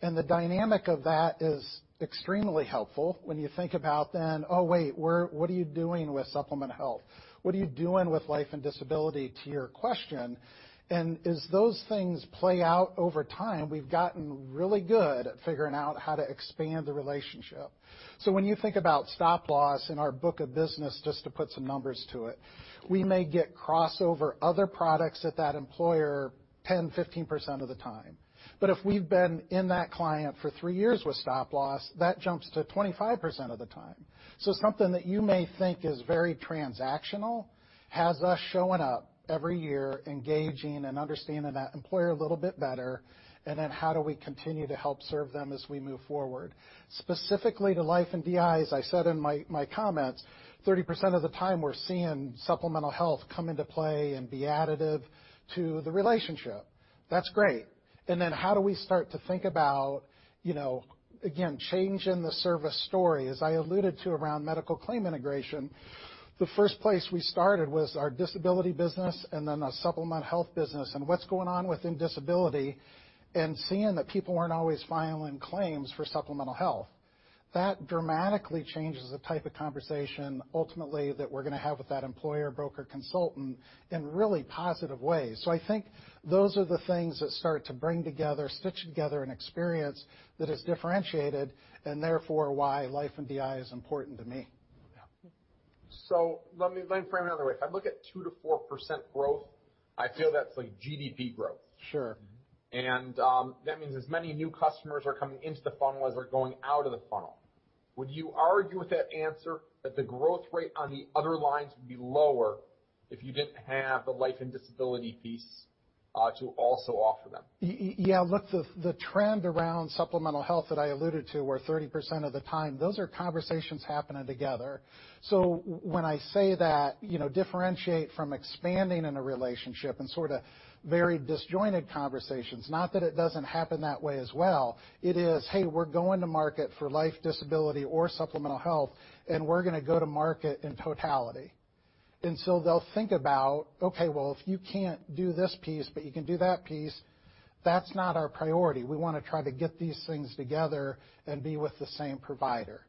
the dynamic of that is extremely helpful when you think about then, oh, wait, what are you doing with Supplemental Health? What are you doing with life and disability, to your question. As those things play out over time, we've gotten really good at figuring out how to expand the relationship. When you think about stop-loss in our book of business, just to put some numbers to it, we may get crossover other products at that employer 10%, 15% of the time. If we've been in that client for three years with stop-loss, that jumps to 25% of the time. Something that you may think is very transactional has us showing up every year, engaging and understanding that employer a little bit better, and then how do we continue to help serve them as we move forward. Specifically to life and DI, as I said in my comments, 30% of the time we're seeing Supplemental Health come into play and be additive to the relationship. That's great. How do we start to think about, again, change in the service story, as I alluded to around medical claim integration. The first place we started was our disability business and then our Supplemental Health business and what's going on within disability and seeing that people weren't always filing claims for Supplemental Health. That dramatically changes the type of conversation, ultimately, that we're going to have with that employer broker consultant in really positive ways. I think those are the things that start to bring together, stitch together an experience that is differentiated, and therefore, why life and DI is important to me. Yeah.
Let me frame it another way. If I look at 2%-4% growth, I feel that's like GDP growth.
Sure.
That means as many new customers are coming into the funnel as are going out of the funnel. Would you argue with that answer that the growth rate on the other lines would be lower if you didn't have the life and disability piece to also offer them?
Yeah. Look, the trend around supplemental health that I alluded to, where 30% of the time, those are conversations happening together. When I say that, differentiate from expanding in a relationship and sort of very disjointed conversations, not that it doesn't happen that way as well. It is, hey, we're going to market for life, disability, or supplemental health, and we're going to go to market in totality. They'll think about, okay, well, if you can't do this piece, but you can do that piece, that's not our priority. We want to try to get these things together and be with the same provider.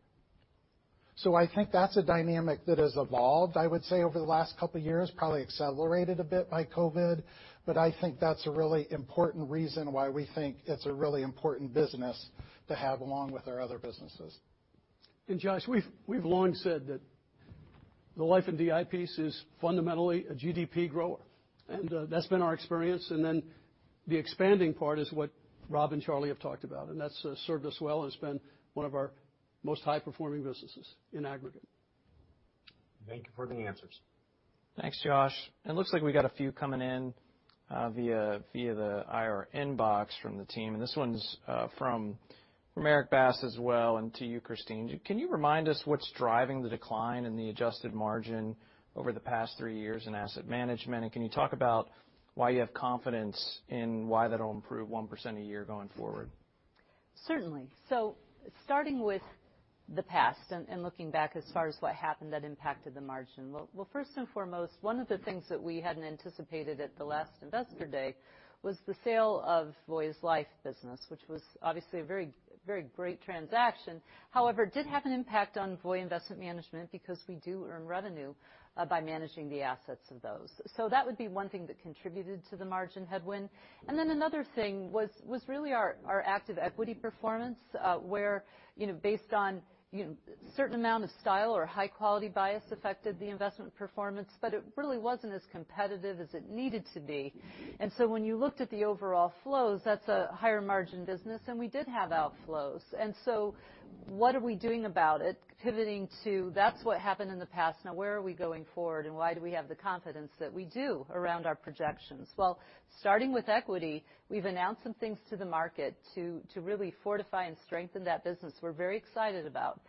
I think that's a dynamic that has evolved, I would say, over the last couple of years, probably accelerated a bit by COVID, but I think that's a really important reason why we think it's a really important business to have along with our other businesses.
Josh, we've long said that the life and DI piece is fundamentally a GDP grower, and that's been our experience. The expanding part is what Rob and Charlie have talked about, and that's served us well and has been one of our most high-performing businesses in aggregate.
Thank you for the answers.
Thanks, Josh. It looks like we got a few coming in via the IR inbox from the team, and this one's from Erik Bass as well, and to you, Christine. Can you remind us what's driving the decline in the adjusted margin over the past three years in asset management? Can you talk about why you have confidence in why that'll improve 1% a year going forward?
Certainly. Starting with the past and looking back as far as what happened that impacted the margin. First and foremost, one of the things that we hadn't anticipated at the last Investor Day was the sale of Voya's life business, which was obviously a very great transaction. However, it did have an impact on Voya Investment Management because we do earn revenue by managing the assets of those. That would be one thing that contributed to the margin headwind. Another thing was really our active equity performance, where based on certain amount of style or high-quality bias affected the investment performance, but it really wasn't as competitive as it needed to be. When you looked at the overall flows, that's a higher margin business, and we did have outflows. What are we doing about it? Pivoting to that's what happened in the past, now where are we going forward, and why do we have the confidence that we do around our projections? Well, starting with equity, we've announced some things to the market to really fortify and strengthen that business we're very excited about.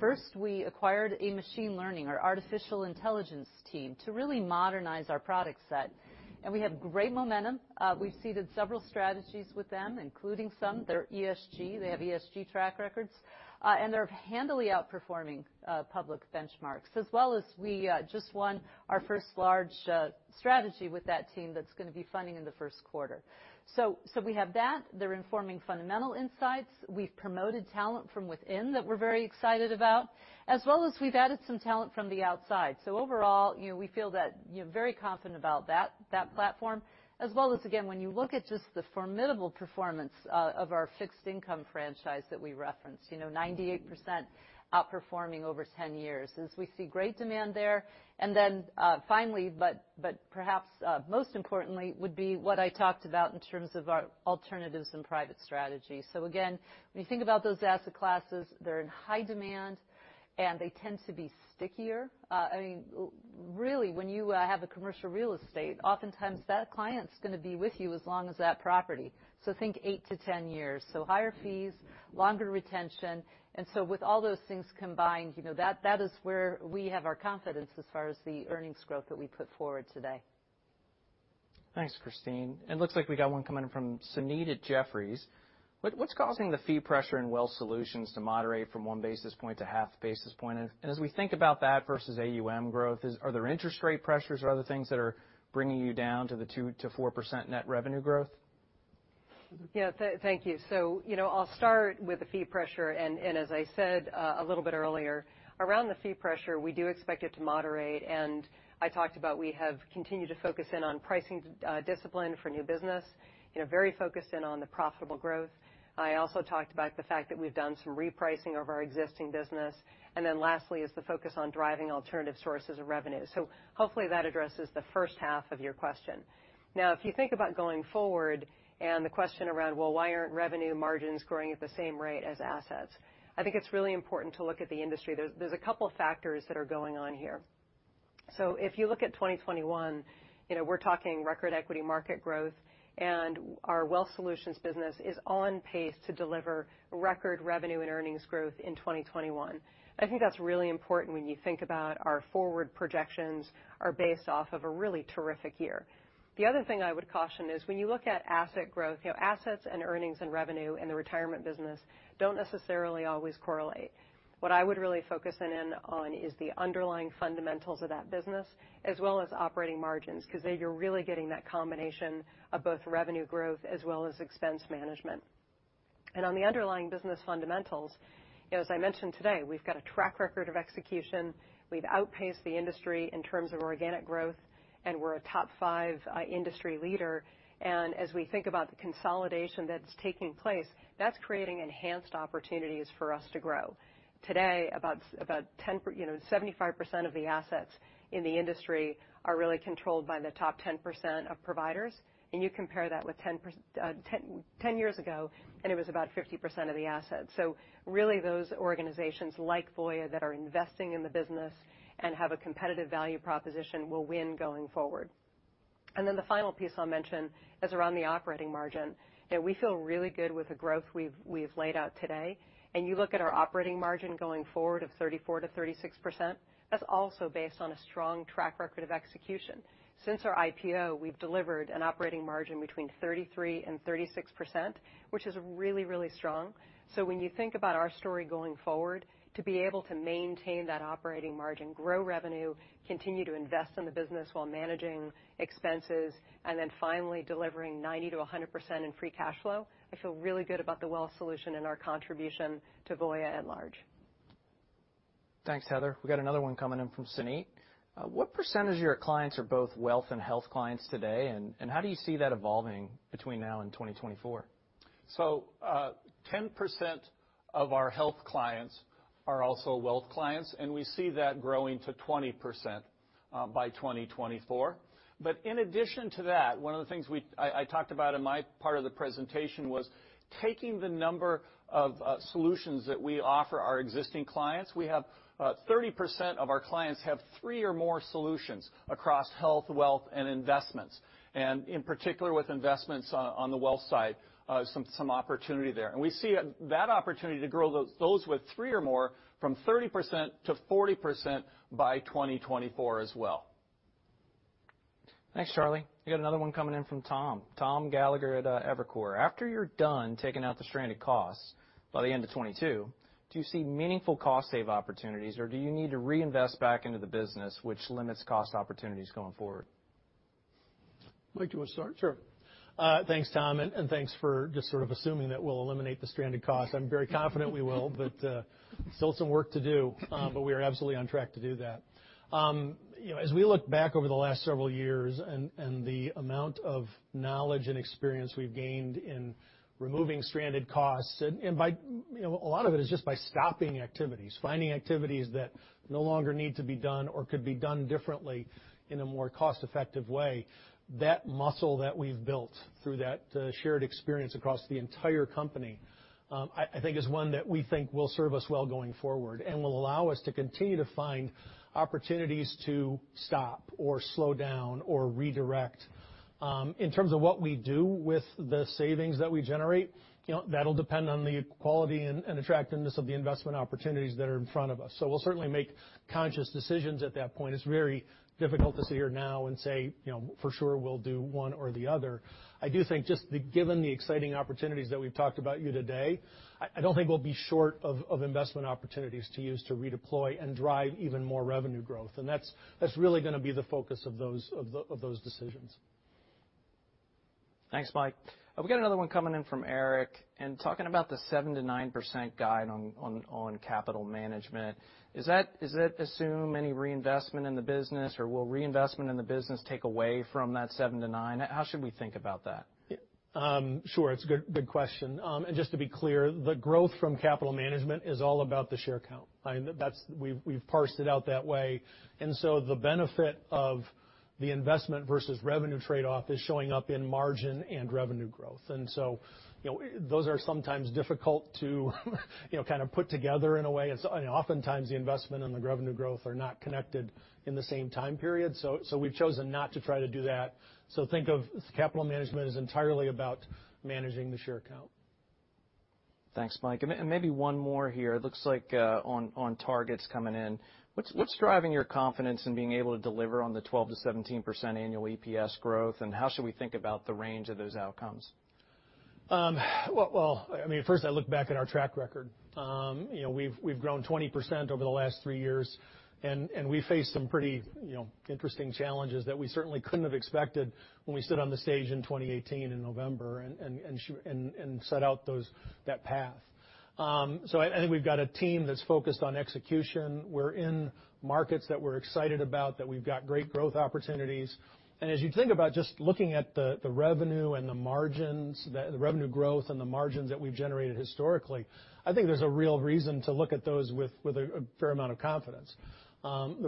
First, we acquired a machine learning or artificial intelligence team to really modernize our product set. We have great momentum. We've seeded several strategies with them, including some that are ESG. They have ESG track records. They're handily outperforming public benchmarks as well as we just won our first large strategy with that team that's going to be funding in the first quarter. We have that. They're informing fundamental insights. We've promoted talent from within that we're very excited about, as well as we've added some talent from the outside. Overall, we feel very confident about that platform, as well as again, when you look at just the formidable performance of our fixed income franchise that we referenced, 98% outperforming over 10 years as we see great demand there. Finally, but perhaps most importantly, would be what I talked about in terms of our alternatives in private strategy. Again, when you think about those asset classes, they're in high demand, and they tend to be stickier. Really, when you have a commercial real estate, oftentimes that client's going to be with you as long as that property. Think 8-10 years. Higher fees, longer retention, with all those things combined, that is where we have our confidence as far as the earnings growth that we put forward today.
Thanks, Christine. It looks like we got one coming in from Suneet at Jefferies. What's causing the fee pressure in Wealth Solutions to moderate from one basis point to half basis point? As we think about that versus AUM growth, are there interest rate pressures or other things that are bringing you down to the 2% to 4% net revenue growth?
Yeah. Thank you. I'll start with the fee pressure, as I said a little bit earlier, around the fee pressure, we do expect it to moderate, I talked about we have continued to focus in on pricing discipline for new business, very focused in on the profitable growth. I also talked about the fact that we've done some repricing of our existing business. Lastly is the focus on driving alternative sources of revenue. Hopefully, that addresses the first half of your question. Now, if you think about going forward and the question around, well, why aren't revenue margins growing at the same rate as assets? I think it's really important to look at the industry. There's a couple factors that are going on here. If you look at 2021, we're talking record equity market growth, and our Wealth Solutions business is on pace to deliver record revenue and earnings growth in 2021. I think that's really important when you think about our forward projections are based off of a really terrific year. The other thing I would caution is when you look at asset growth, assets and earnings and revenue in the retirement business don't necessarily always correlate. What I would really focus in on is the underlying fundamentals of that business as well as operating margins, because there you're really getting that combination of both revenue growth as well as expense management. On the underlying business fundamentals, as I mentioned today, we've got a track record of execution. We've outpaced the industry in terms of organic growth, and we're a top five industry leader. As we think about the consolidation that's taking place, that's creating enhanced opportunities for us to grow. Today, about 75% of the assets in the industry are really controlled by the top 10% of providers. You compare that with 10 years ago, and it was about 50% of the assets. Really those organizations like Voya that are investing in the business and have a competitive value proposition will win going forward. The final piece I'll mention is around the operating margin, that we feel really good with the growth we've laid out today. You look at our operating margin going forward of 34%-36%, that's also based on a strong track record of execution. Since our IPO, we've delivered an operating margin between 33% and 36%, which is really, really strong. When you think about our story going forward, to be able to maintain that operating margin, grow revenue, continue to invest in the business while managing expenses, and then finally delivering 90%-100% in free cash flow, I feel really good about the wealth solution and our contribution to Voya at large.
Thanks, Heather. We got another one coming in from Suneet. "What percentage of your clients are both wealth and health clients today, and how do you see that evolving between now and 2024?
10% of our Health Solutions clients are also Wealth Solutions clients, and we see that growing to 20% by 2024. In addition to that, one of the things I talked about in my part of the presentation was taking the number of solutions that we offer our existing clients. We have 30% of our clients have three or more solutions across Health Solutions, Wealth Solutions, and investments. In particular, with investments on the Wealth Solutions side, some opportunity there. We see that opportunity to grow those with three or more from 30% to 40% by 2024 as well.
Thanks, Charlie. We got another one coming in from Tom Gallagher at Evercore. "After you're done taking out the stranded costs by the end of 2022, do you see meaningful cost save opportunities or do you need to reinvest back into the business which limits cost opportunities going forward?
Mike, do you want to start? Sure. Thanks, Tom, and thanks for just sort of assuming that we'll eliminate the stranded cost. I'm very confident we will, but still some work to do. We are absolutely on track to do that. As we look back over the last several years and the amount of knowledge and experience we've gained in removing stranded costs, and a lot of it is just by stopping activities. Finding activities that no longer need to be done or could be done differently in a more cost-effective way. That muscle that we've built through that shared experience across the entire company, I think is one that we think will serve us well going forward and will allow us to continue to find opportunities to stop or slow down or redirect. In terms of what we do with the savings that we generate, that'll depend on the quality and attractiveness of the investment opportunities that are in front of us. We'll certainly make conscious decisions at that point. It's very difficult to sit here now and say for sure we'll do one or the other. I do think just given the exciting opportunities that we've talked about here today, I don't think we'll be short of investment opportunities to use to redeploy and drive even more revenue growth. That's really going to be the focus of those decisions.
Thanks, Mike. We've got another one coming in from Erik, talking about the 7%-9% guide on capital management. Does that assume any reinvestment in the business, or will reinvestment in the business take away from that 7%-9%? How should we think about that?
Sure. It's a good question. Just to be clear, the growth from capital management is all about the share count. We've parsed it out that way. The benefit of the investment versus revenue trade-off is showing up in margin and revenue growth. Those are sometimes difficult to kind of put together in a way. Oftentimes, the investment and the revenue growth are not connected in the same time period. We've chosen not to try to do that. Think of capital management as entirely about managing the share count.
Thanks, Mike. Maybe one more here. It looks like on targets coming in. What's driving your confidence in being able to deliver on the 12%-17% annual EPS growth, and how should we think about the range of those outcomes?
Well, first I look back at our track record. We've grown 20% over the last three years, and we faced some pretty interesting challenges that we certainly couldn't have expected when we stood on the stage in 2018 in November and set out that path. I think we've got a team that's focused on execution. We're in markets that we're excited about, that we've got great growth opportunities. As you think about just looking at the revenue growth and the margins that we've generated historically, I think there's a real reason to look at those with a fair amount of confidence. The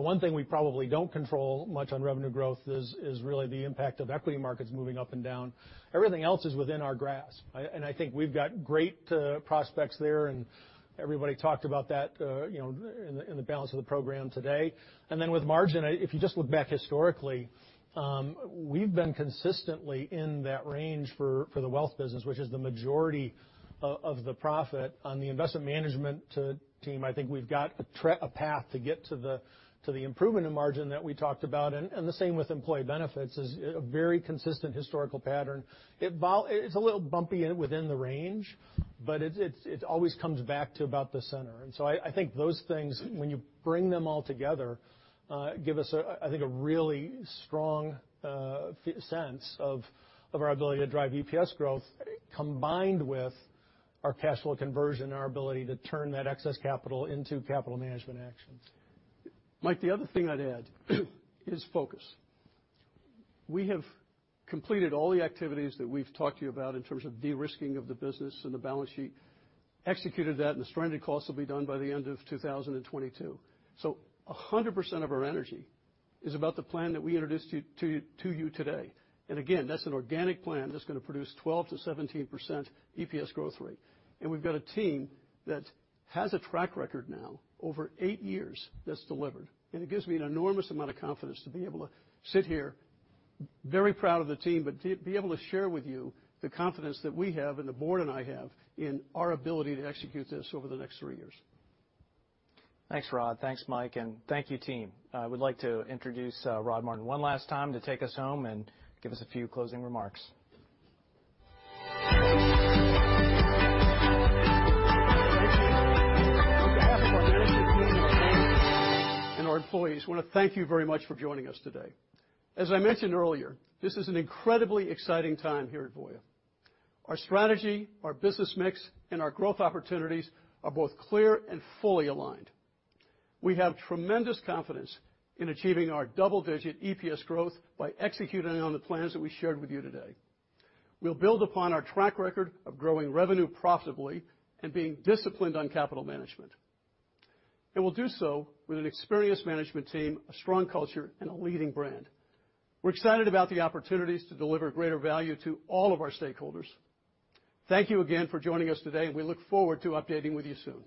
one thing we probably don't control much on revenue growth is really the impact of equity markets moving up and down. Everything else is within our grasp. I think we've got great prospects there, and everybody talked about that in the balance of the program today. With margin, if you just look back historically, we've been consistently in that range for the Wealth Solutions business, which is the majority of the profit. On the Investment Management team, I think we've got a path to get to the improvement in margin that we talked about, and the same with employee benefits. It's a very consistent historical pattern. It's a little bumpy within the range, but it always comes back to about the center. I think those things, when you bring them all together, give us, I think, a really strong sense of our ability to drive EPS growth, combined with our cash flow conversion and our ability to turn that excess capital into capital management actions.
Mike, the other thing I'd add is focus. We have completed all the activities that we've talked to you about in terms of de-risking of the business and the balance sheet, executed that, and the stranded costs will be done by the end of 2022. 100% of our energy is about the plan that we introduced to you today. Again, that's an organic plan that's going to produce 12%-17% EPS growth rate. We've got a team that has a track record now over eight years that's delivered. It gives me an enormous amount of confidence to be able to sit here, very proud of the team, but be able to share with you the confidence that we have, and the board and I have, in our ability to execute this over the next three years.
Thanks, Rod. Thanks, Mike, and thank you, team. I would like to introduce Rod Martin one last time to take us home and give us a few closing remarks.
Thank you. On behalf of our management team and our board and our employees, I want to thank you very much for joining us today. As I mentioned earlier, this is an incredibly exciting time here at Voya. Our strategy, our business mix, and our growth opportunities are both clear and fully aligned. We have tremendous confidence in achieving our double-digit EPS growth by executing on the plans that we shared with you today. We'll build upon our track record of growing revenue profitably and being disciplined on capital management. We'll do so with an experienced management team, a strong culture, and a leading brand. We're excited about the opportunities to deliver greater value to all of our stakeholders. Thank you again for joining us today, and we look forward to updating with you soon.